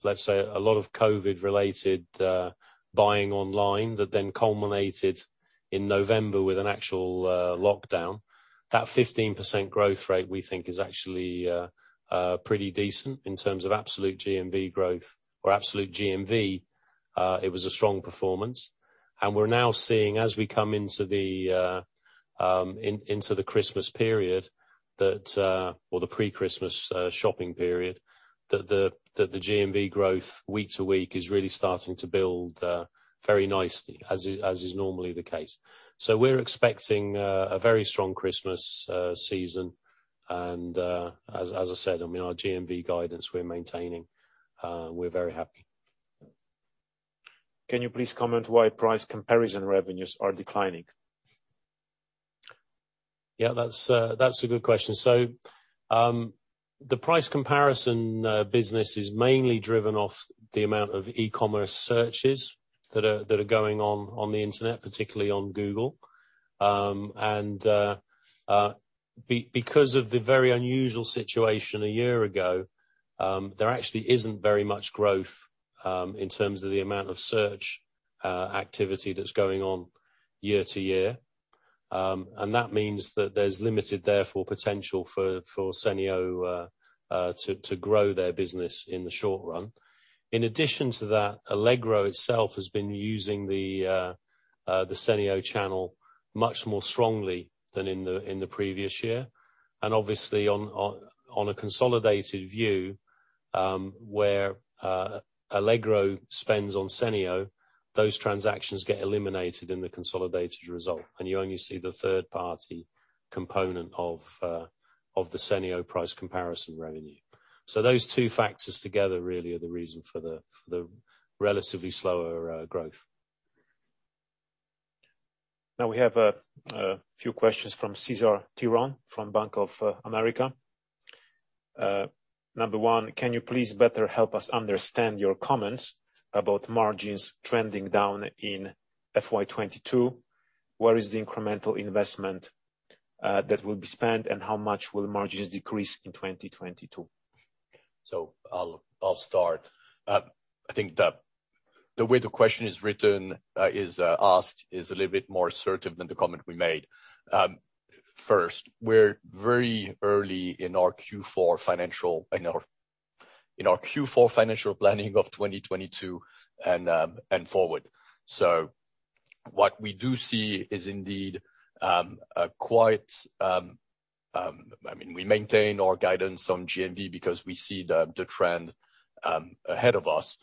Speaker 3: let's say a lot of COVID-related buying online that then culminated in November with an actual lockdown. That 15% growth rate, we think, is actually pretty decent in terms of absolute GMV growth or absolute GMV. It was a strong performance. We're now seeing, as we come into the Christmas period, or the pre-Christmas shopping period, that the GMV growth week to week is really starting to build very nicely, as is normally the case. We're expecting a very strong Christmas season. As I said, I mean, our GMV guidance we're maintaining, we're very happy.
Speaker 1: Can you please comment why price comparison revenues are declining?
Speaker 3: Yeah, that's a good question. The price comparison business is mainly driven by the amount of e-commerce searches that are going on on the internet, particularly on Google. Because of the very unusual situation a year ago, there actually isn't very much growth in terms of the amount of search activity that's going on year-to-year. That means that there's limited therefore potential for Ceneo to grow their business in the short run. In addition to that, Allegro itself has been using the Ceneo channel much more strongly than in the previous year. Obviously on a consolidated view, where Allegro spends on Ceneo, those transactions get eliminated in the consolidated result, and you only see the third-party component of the Ceneo price comparison revenue. Those two factors together really are the reason for the relatively slower growth.
Speaker 1: Now we have a few questions from Cesar Tiron from Bank of America. Number one, can you please better help us understand your comments about margins trending down in FY 2022? Where is the incremental investment that will be spent, and how much will margins decrease in 2022?
Speaker 2: I'll start. I think the way the question is written is a little bit more assertive than the comment we made. First, we're very early in our Q4 financial planning of 2022 and forward. What we do see is indeed. I mean, we maintain our guidance on GMV because we see the trend ahead of us.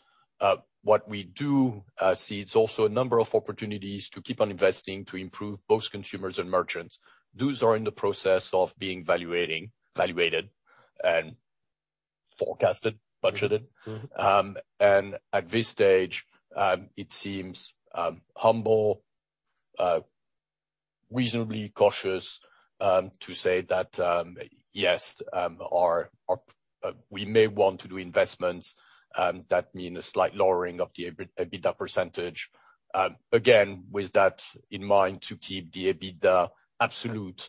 Speaker 2: What we do see is also a number of opportunities to keep on investing to improve both consumers and merchants. Those are in the process of being evaluated and forecasted, budgeted.
Speaker 1: Mm-hmm.
Speaker 2: At this stage, it seems humble, reasonably cautious to say that yes, we may want to do investments that mean a slight lowering of the EBITDA percentage. Again, with that in mind, to keep the EBITDA absolute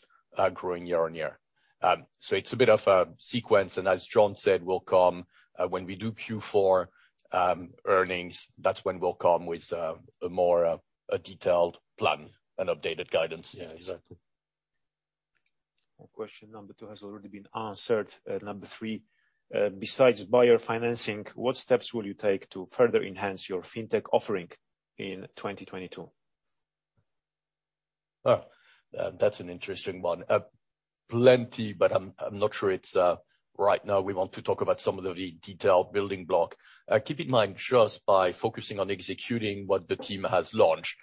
Speaker 2: growing year-on-year. It's a bit of a sequence, and as Jon said, we'll come when we do Q4 earnings. That's when we'll come with a more detailed plan and updated guidance.
Speaker 1: Yeah. Exactly. Question number two has already been answered. Number three, besides buyer financing, what steps will you take to further enhance your fintech offering in 2022?
Speaker 2: Oh, that's an interesting one. Plenty, but I'm not sure it's right now we want to talk about some of the detailed building block. Keep in mind, just by focusing on executing what the team has launched,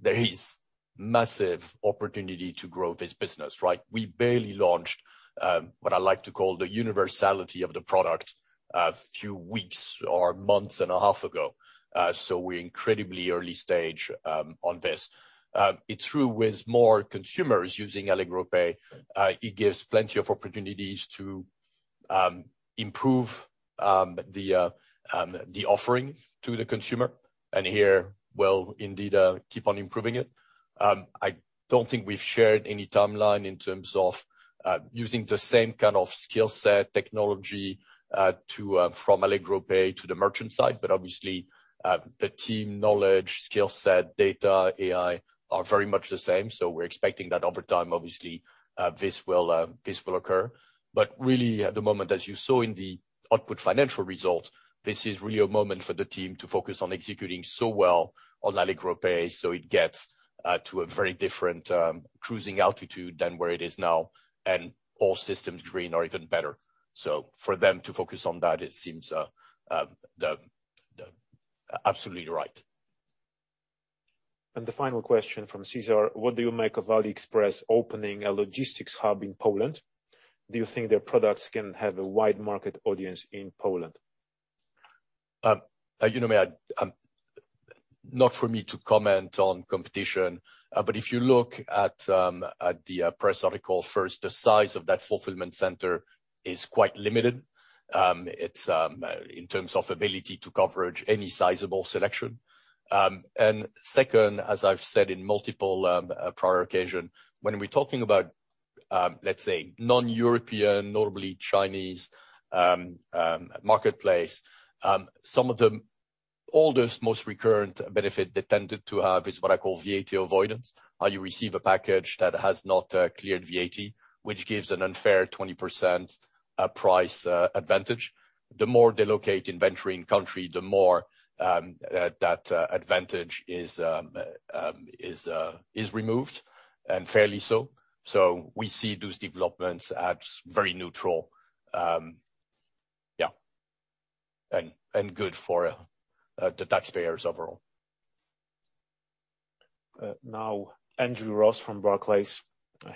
Speaker 2: there is massive opportunity to grow this business, right? We barely launched what I like to call the universality of the product a few weeks or months and a half ago. We're incredibly early stage on this. It's true with more consumers using Allegro Pay, it gives plenty of opportunities to improve the offering to the consumer. Here we'll indeed keep on improving it. I don't think we've shared any timeline in terms of using the same kind of skill set, technology to from Allegro Pay to the merchant side. Obviously, the team knowledge, skill set, data, AI are very much the same. We're expecting that over time, obviously, this will occur. Really at the moment, as you saw in the output financial results, this is really a moment for the team to focus on executing so well on Allegro Pay, so it gets to a very different cruising altitude than where it is now. All systems green or even better. For them to focus on that, it seems the absolutely right.
Speaker 1: The final question from Cesar, what do you make of AliExpress opening a logistics hub in Poland? Do you think their products can have a wide market audience in Poland?
Speaker 2: You know, not for me to comment on competition, but if you look at the press article first, the size of that fulfillment center is quite limited. It's in terms of ability to cover any sizable selection. Second, as I've said in multiple prior occasions, when we're talking about, let's say non-European, notably Chinese, marketplace, some of the oldest, most recurrent benefits they tended to have is what I call VAT avoidance. How you receive a package that has not cleared VAT, which gives an unfair 20% price advantage. The more they locate inventory in country, the more that advantage is removed, and fairly so. We see those developments as very neutral. Yeah, good for the taxpayers overall.
Speaker 1: Now Andrew Ross from Barclays,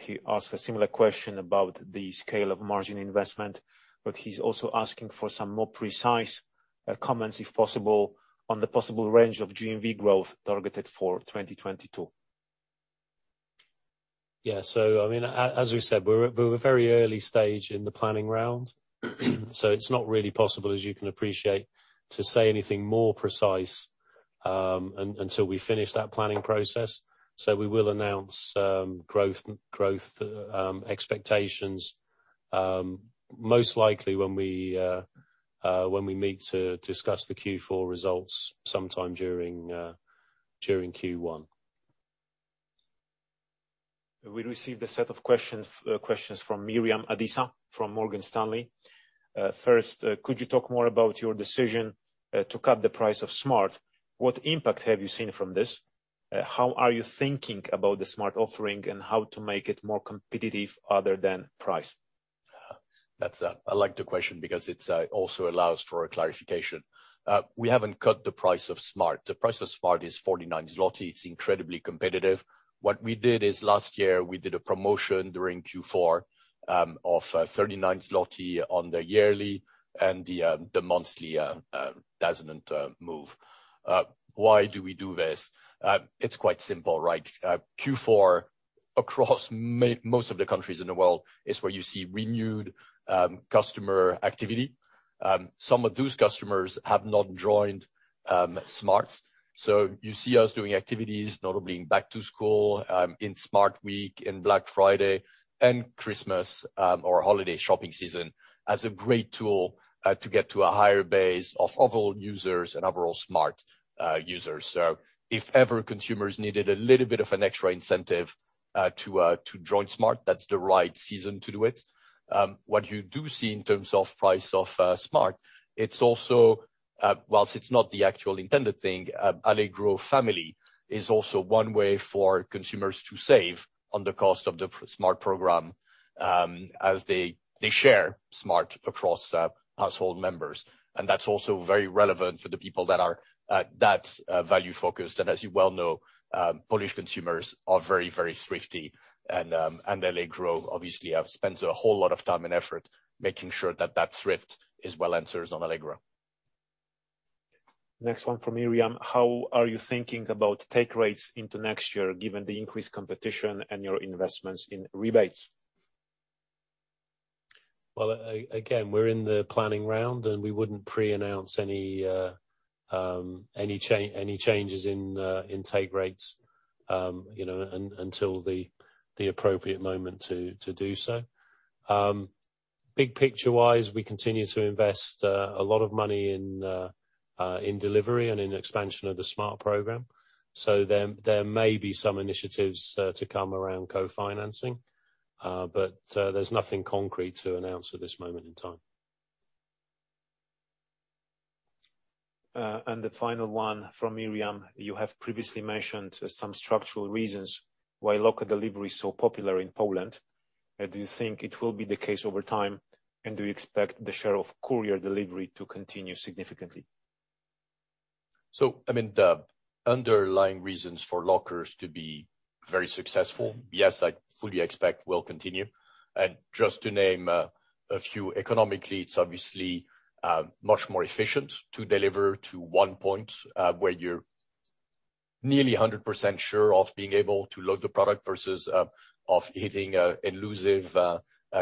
Speaker 1: he asked a similar question about the scale of margin investment, but he's also asking for some more precise comments, if possible, on the possible range of GMV growth targeted for 2022.
Speaker 3: Yeah. I mean, as we said, we're at very early stage in the planning round. It's not really possible, as you can appreciate, to say anything more precise until we finish that planning process. We will announce growth expectations most likely when we meet to discuss the Q4 results sometime during Q1.
Speaker 1: We received a set of questions from Miriam Adisa from Morgan Stanley. First, could you talk more about your decision to cut the price of Smart!? What impact have you seen from this? How are you thinking about the Smart! offering and how to make it more competitive other than price?
Speaker 2: I like the question because it also allows for a clarification. We haven't cut the price of Smart!. The price of Smart! is 49 zloty. It's incredibly competitive. What we did is last year we did a promotion during Q4 of 39 zloty on the yearly and the monthly doesn't move. Why do we do this? It's quite simple, right? Q4 across most of the countries in the world is where you see renewed customer activity. Some of those customers have not joined Smart!. You see us doing activities, notably in back to school, in Smart! Week, in Black Friday and Christmas, or holiday shopping season, as a great tool to get to a higher base of overall users and overall Smart! users. If ever consumers needed a little bit of an extra incentive to join Smart!, that's the right season to do it. What you do see in terms of price of Smart!, it's also, while it's not the actual intended thing, Allegro Family is also one way for consumers to save on the cost of the Smart! program, as they share Smart! across household members. That's also very relevant for the people that are value-focused. As you well know, Polish consumers are very, very thrifty, and Allegro obviously have spent a whole lot of time and effort making sure that that thrift is well answered on Allegro.
Speaker 1: Next one from Miriam. How are you thinking about take rates into next year, given the increased competition and your investments in rebates?
Speaker 3: Well, again, we're in the planning round, and we wouldn't pre-announce any changes in take rates, you know, until the appropriate moment to do so. Big picture-wise, we continue to invest a lot of money in delivery and in expansion of the Smart! program. There may be some initiatives to come around co-financing, but there's nothing concrete to announce at this moment in time.
Speaker 1: The final one from Miriam, you have previously mentioned some structural reasons why local delivery is so popular in Poland. Do you think it will be the case over time, and do you expect the share of courier delivery to continue significantly?
Speaker 2: I mean, the underlying reasons for lockers to be very successful, yes, I fully expect will continue. Just to name a few, economically, it's obviously much more efficient to deliver to one point, where you're nearly 100% sure of being able to load the product versus of hitting a elusive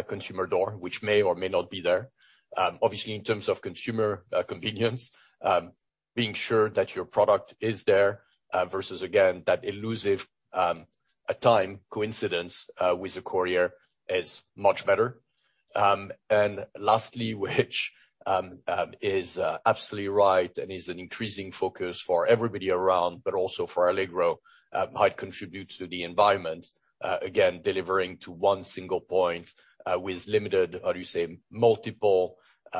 Speaker 2: consumer door, which may or may not be there. Obviously, in terms of consumer convenience, being sure that your product is there versus again, that elusive time coincidence with the courier is much better. Lastly, which is absolutely right and is an increasing focus for everybody around, but also for Allegro, might contribute to the environment. Again, delivering to one single point with limited, how you say, multiple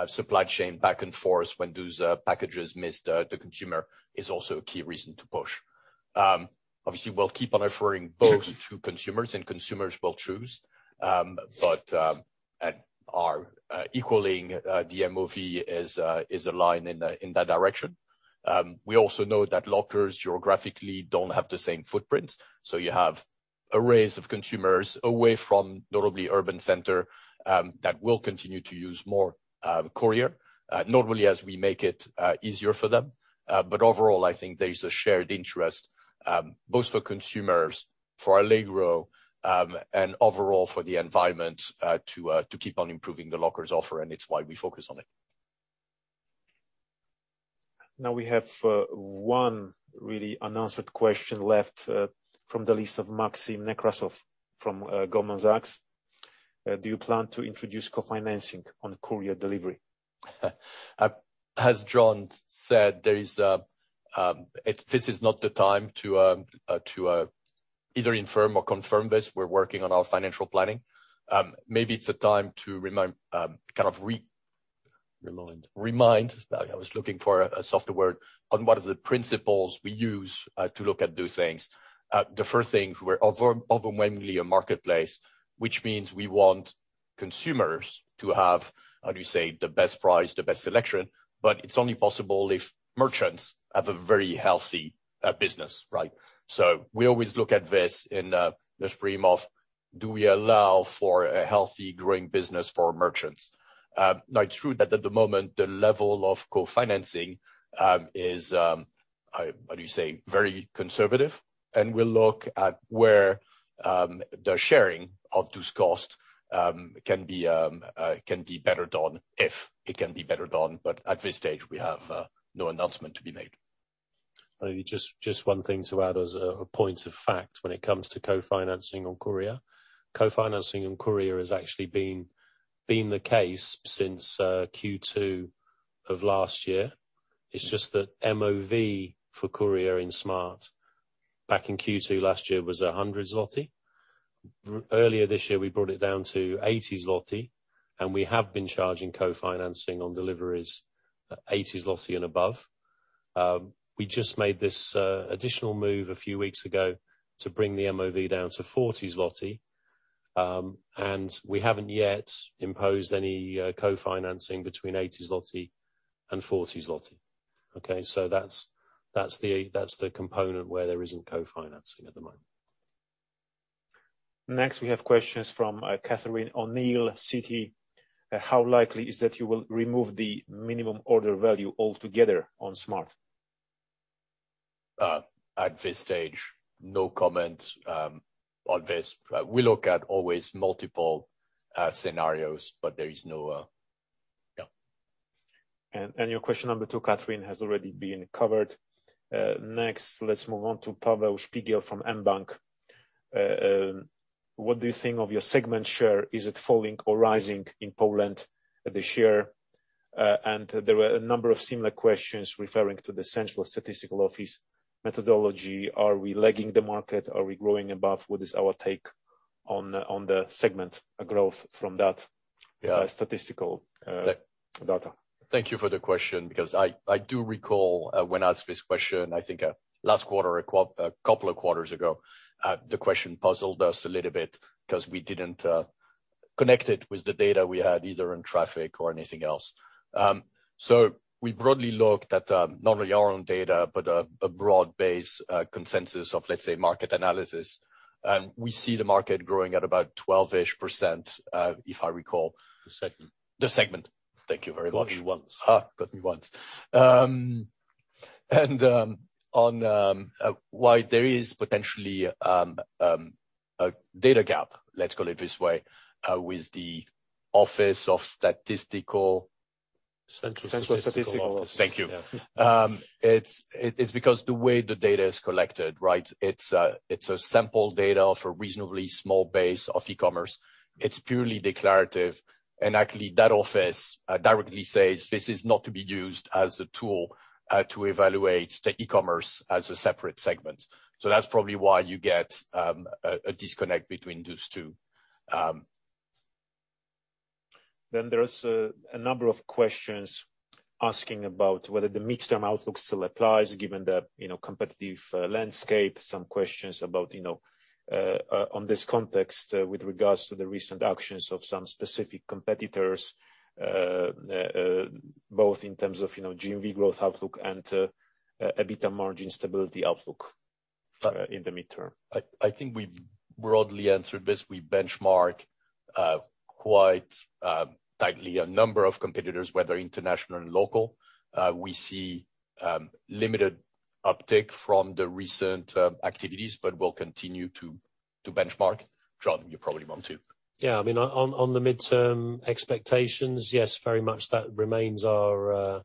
Speaker 2: supply chain back and forth when those packages miss the consumer is also a key reason to push. Obviously, we'll keep on offering both to consumers and consumers will choose, but our equalizing the MOV is aligned in that direction. We also know that lockers geographically don't have the same footprint, so you have areas of consumers away from notable urban centers that will continue to use more courier not only as we make it easier for them. Overall, I think there's a shared interest both for consumers, for Allegro, and overall for the environment to keep on improving the lockers offer, and it's why we focus on it.
Speaker 1: Now we have one really unanswered question left from the list of Maxim Nekrasov from Goldman Sachs. Do you plan to introduce co-financing on courier delivery?
Speaker 2: As Jon said, this is not the time to either affirm or confirm this. We're working on our financial planning. Maybe it's a time to remind, kind of.
Speaker 1: Remind.
Speaker 2: I was looking for a softer word on what are the principles we use to look at those things. The first thing, we're overwhelmingly a marketplace, which means we want consumers to have, how do you say, the best price, the best selection, but it's only possible if merchants have a very healthy business, right? We always look at this in the stream of, do we allow for a healthy, growing business for merchants? Now, it's true that at the moment, the level of co-financing is very conservative, and we'll look at where the sharing of those costs can be better done, if it can be better done. At this stage, we have no announcement to be made.
Speaker 3: Just one thing to add as a point of fact when it comes to co-financing on courier. Co-financing on courier has actually been the case since Q2 of last year. It's just that MOV for courier in Smart! back in Q2 last year was 100 zloty. Earlier this year, we brought it down to 80 zloty, and we have been charging co-financing on deliveries at 80 zloty and above. We just made this additional move a few weeks ago to bring the MOV down to 40 zloty, and we haven't yet imposed any co-financing between 80 zloty and 40 zloty. Okay. That's the component where there isn't co-financing at the moment.
Speaker 1: Next, we have questions from Catherine O'Neill, Citi. How likely is that you will remove the minimum order value altogether on Smart!?
Speaker 2: At this stage, no comment on this. We look at always multiple scenarios, but there is no.
Speaker 1: Your question number two, Catherine, has already been covered. Next, let's move on to Paweł Szpigiel from mBank. What do you think of your segment share? Is it falling or rising in Poland this year? There were a number of similar questions referring to the Central Statistical Office methodology. Are we lagging the market? Are we growing above? What is our take on the segment growth from that statistical data?
Speaker 2: Thank you for the question, because I do recall when asked this question, I think last quarter, a couple of quarters ago, the question puzzled us a little bit because we didn't connect it with the data we had, either in traffic or anything else. We broadly looked at not only our own data, but a broad-based consensus of, let's say, market analysis. We see the market growing at about 12% if I recall.
Speaker 1: The segment.
Speaker 2: The segment. Thank you very much.
Speaker 1: Got me once.
Speaker 2: Got me once. Why there is potentially a data gap, let's call it this way, with the Office of Statistical.
Speaker 1: Central Statistical Office.
Speaker 2: Thank you. It is because the way the data is collected, right? It's a sample data of a reasonably small base of e-commerce. It's purely declarative. Actually, that office directly says this is not to be used as a tool to evaluate the e-commerce as a separate segment. That's probably why you get a disconnect between those two.
Speaker 1: There is a number of questions asking about whether the midterm outlook still applies given the, you know, competitive landscape. Some questions about, you know, in this context with regards to the recent actions of some specific competitors, both in terms of, you know, GMV growth outlook and EBITDA margin stability outlook in the midterm.
Speaker 2: I think we broadly answered this. We benchmark quite tightly a number of competitors, whether international and local. We see limited uptick from the recent activities, but we'll continue to benchmark. Jon, you probably want to.
Speaker 3: Yeah. I mean, on the midterm expectations, yes, very much that remains our,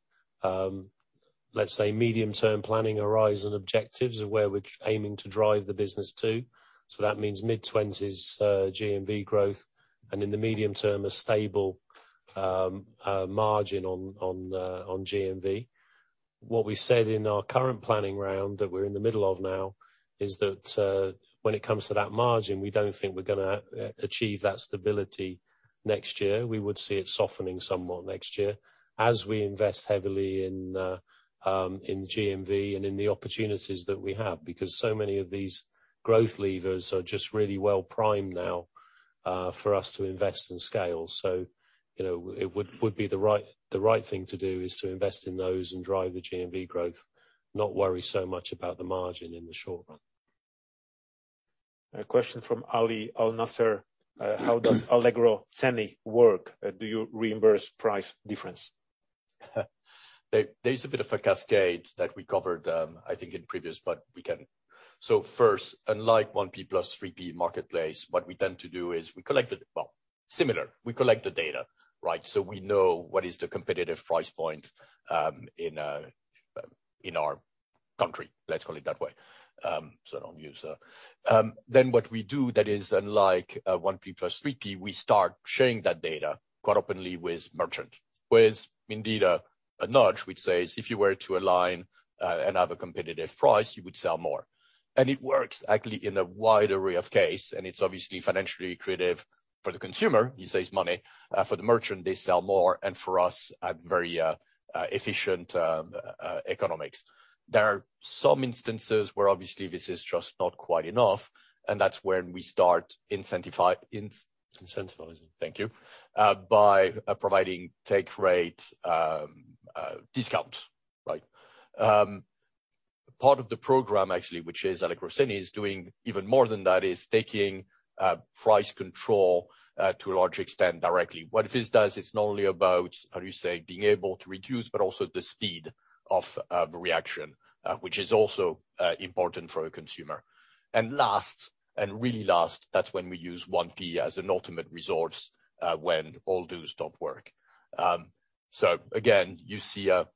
Speaker 3: let's say, medium-term planning horizon objectives of where we're aiming to drive the business to. That means mid-20s GMV growth, and in the medium term, a stable margin on GMV. What we said in our current planning round, that we're in the middle of now, is that, when it comes to that margin, we don't think we're going to achieve that stability next year. We would see it softening somewhat next year as we invest heavily in GMV and in the opportunities that we have, because so many of these growth levers are just really well primed now, for us to invest and scale. you know, it would be the right thing to do is to invest in those and drive the GMV growth, not worry so much about the margin in the short run.
Speaker 1: A question from Ali Al-Nasser, how does Allegro Ceny work? Do you reimburse price difference?
Speaker 2: There is a bit of a cascade that we covered, I think in previous, but we can. First, unlike 1P plus 3P marketplace, what we tend to do is we collect the data, right? We know what is the competitive price point in our country. Let's call it that way, so I don't use. Then what we do that is unlike 1P plus 3P, we start sharing that data quite openly with merchant. With indeed a nudge which says, if you were to align and have a competitive price, you would sell more. It works actually in a wide array of cases, and it's obviously financially creative for the consumer, he saves money, for the merchant, they sell more, and for us at very efficient economics. There are some instances where obviously this is just not quite enough, and that's when we start incentivizing, thank you, by providing take rate discount. Right. Part of the program actually, which is Allegro Ceny, is doing even more than that, is taking price control to a large extent directly. What this does, it's not only about how you say, being able to reduce, but also the speed of reaction, which is also important for a consumer. Last, really last, that's when we use 1P as an ultimate resource, when all those stop work. Again, you see a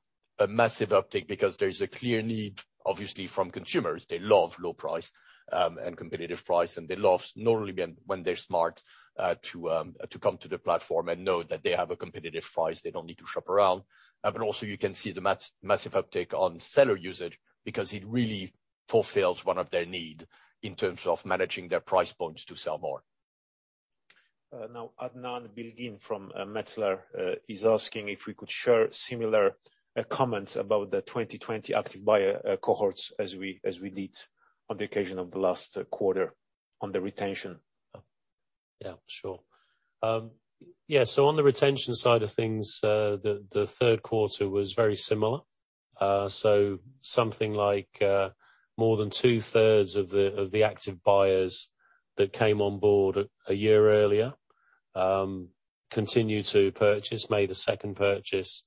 Speaker 2: massive uptick because there is a clear need, obviously, from consumers. They love low price and competitive price, and they love not only when they're Smart! to come to the platform and know that they have a competitive price, they don't need to shop around. Also you can see the massive uptick on seller usage because it really fulfills one of their need in terms of managing their price points to sell more.
Speaker 1: Now Adnan Bilgin from Metzler is asking if we could share similar comments about the 2020 active buyer cohorts as we did on the occasion of the last quarter on the retention.
Speaker 3: Yeah, sure. Yeah, on the retention side of things, the Q3 was very similar. Something like more than two-thirds of the active buyers that came on board a year earlier continued to purchase, made a second purchase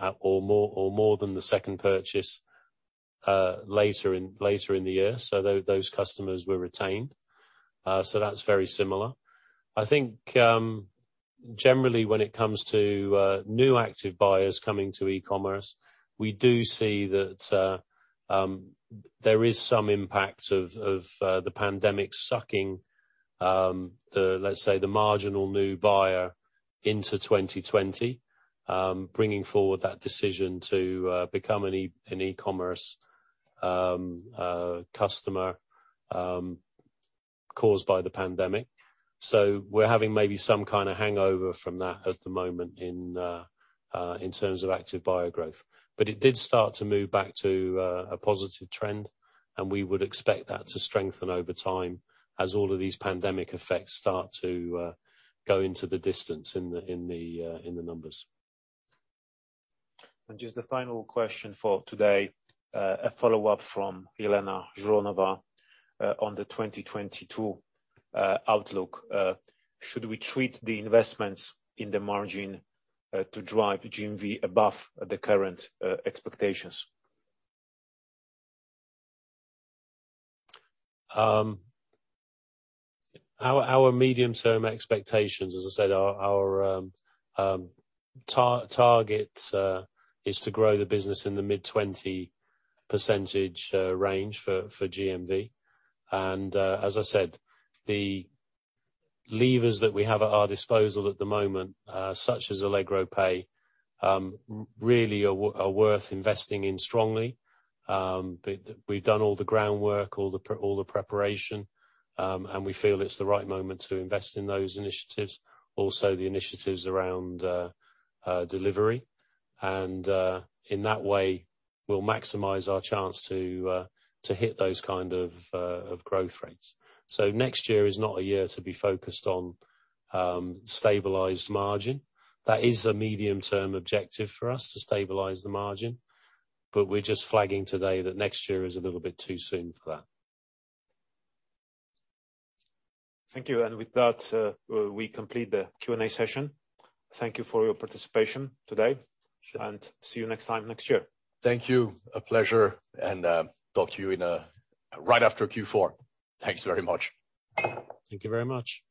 Speaker 3: at or more than the second purchase later in the year. Those customers were retained. That's very similar. I think generally when it comes to new active buyers coming to e-commerce, we do see that there is some impact of the pandemic sucking in the marginal new buyer into 2020, bringing forward that decision to become an e-commerce customer caused by the pandemic. We're having maybe some kind of hangover from that at the moment in terms of active buyer growth. It did start to move back to a positive trend, and we would expect that to strengthen over time as all of these pandemic effects start to go into the distance in the numbers.
Speaker 1: Just a final question for today, a follow-up from Elena Zhuravleva, on the 2022 outlook. Should we treat the investments in the margin to drive GMV above the current expectations?
Speaker 3: Our medium-term expectations, as I said, our target is to grow the business in the mid-20% range for GMV. As I said, the levers that we have at our disposal at the moment, such as Allegro Pay, really are worth investing in strongly. We've done all the groundwork, all the preparation, and we feel it's the right moment to invest in those initiatives. Also, the initiatives around delivery and in that way, we'll maximize our chance to hit those kind of growth rates. Next year is not a year to be focused on stabilized margin. That is a medium-term objective for us, to stabilize the margin, but we're just flagging today that next year is a little bit too soon for that.
Speaker 1: Thank you. With that, we complete the Q&A session. Thank you for your participation today.
Speaker 3: Sure.
Speaker 1: See you next time next year.
Speaker 2: Thank you. It's a pleasure, and talk to you again right after Q4. Thanks very much.
Speaker 1: Thank you very much.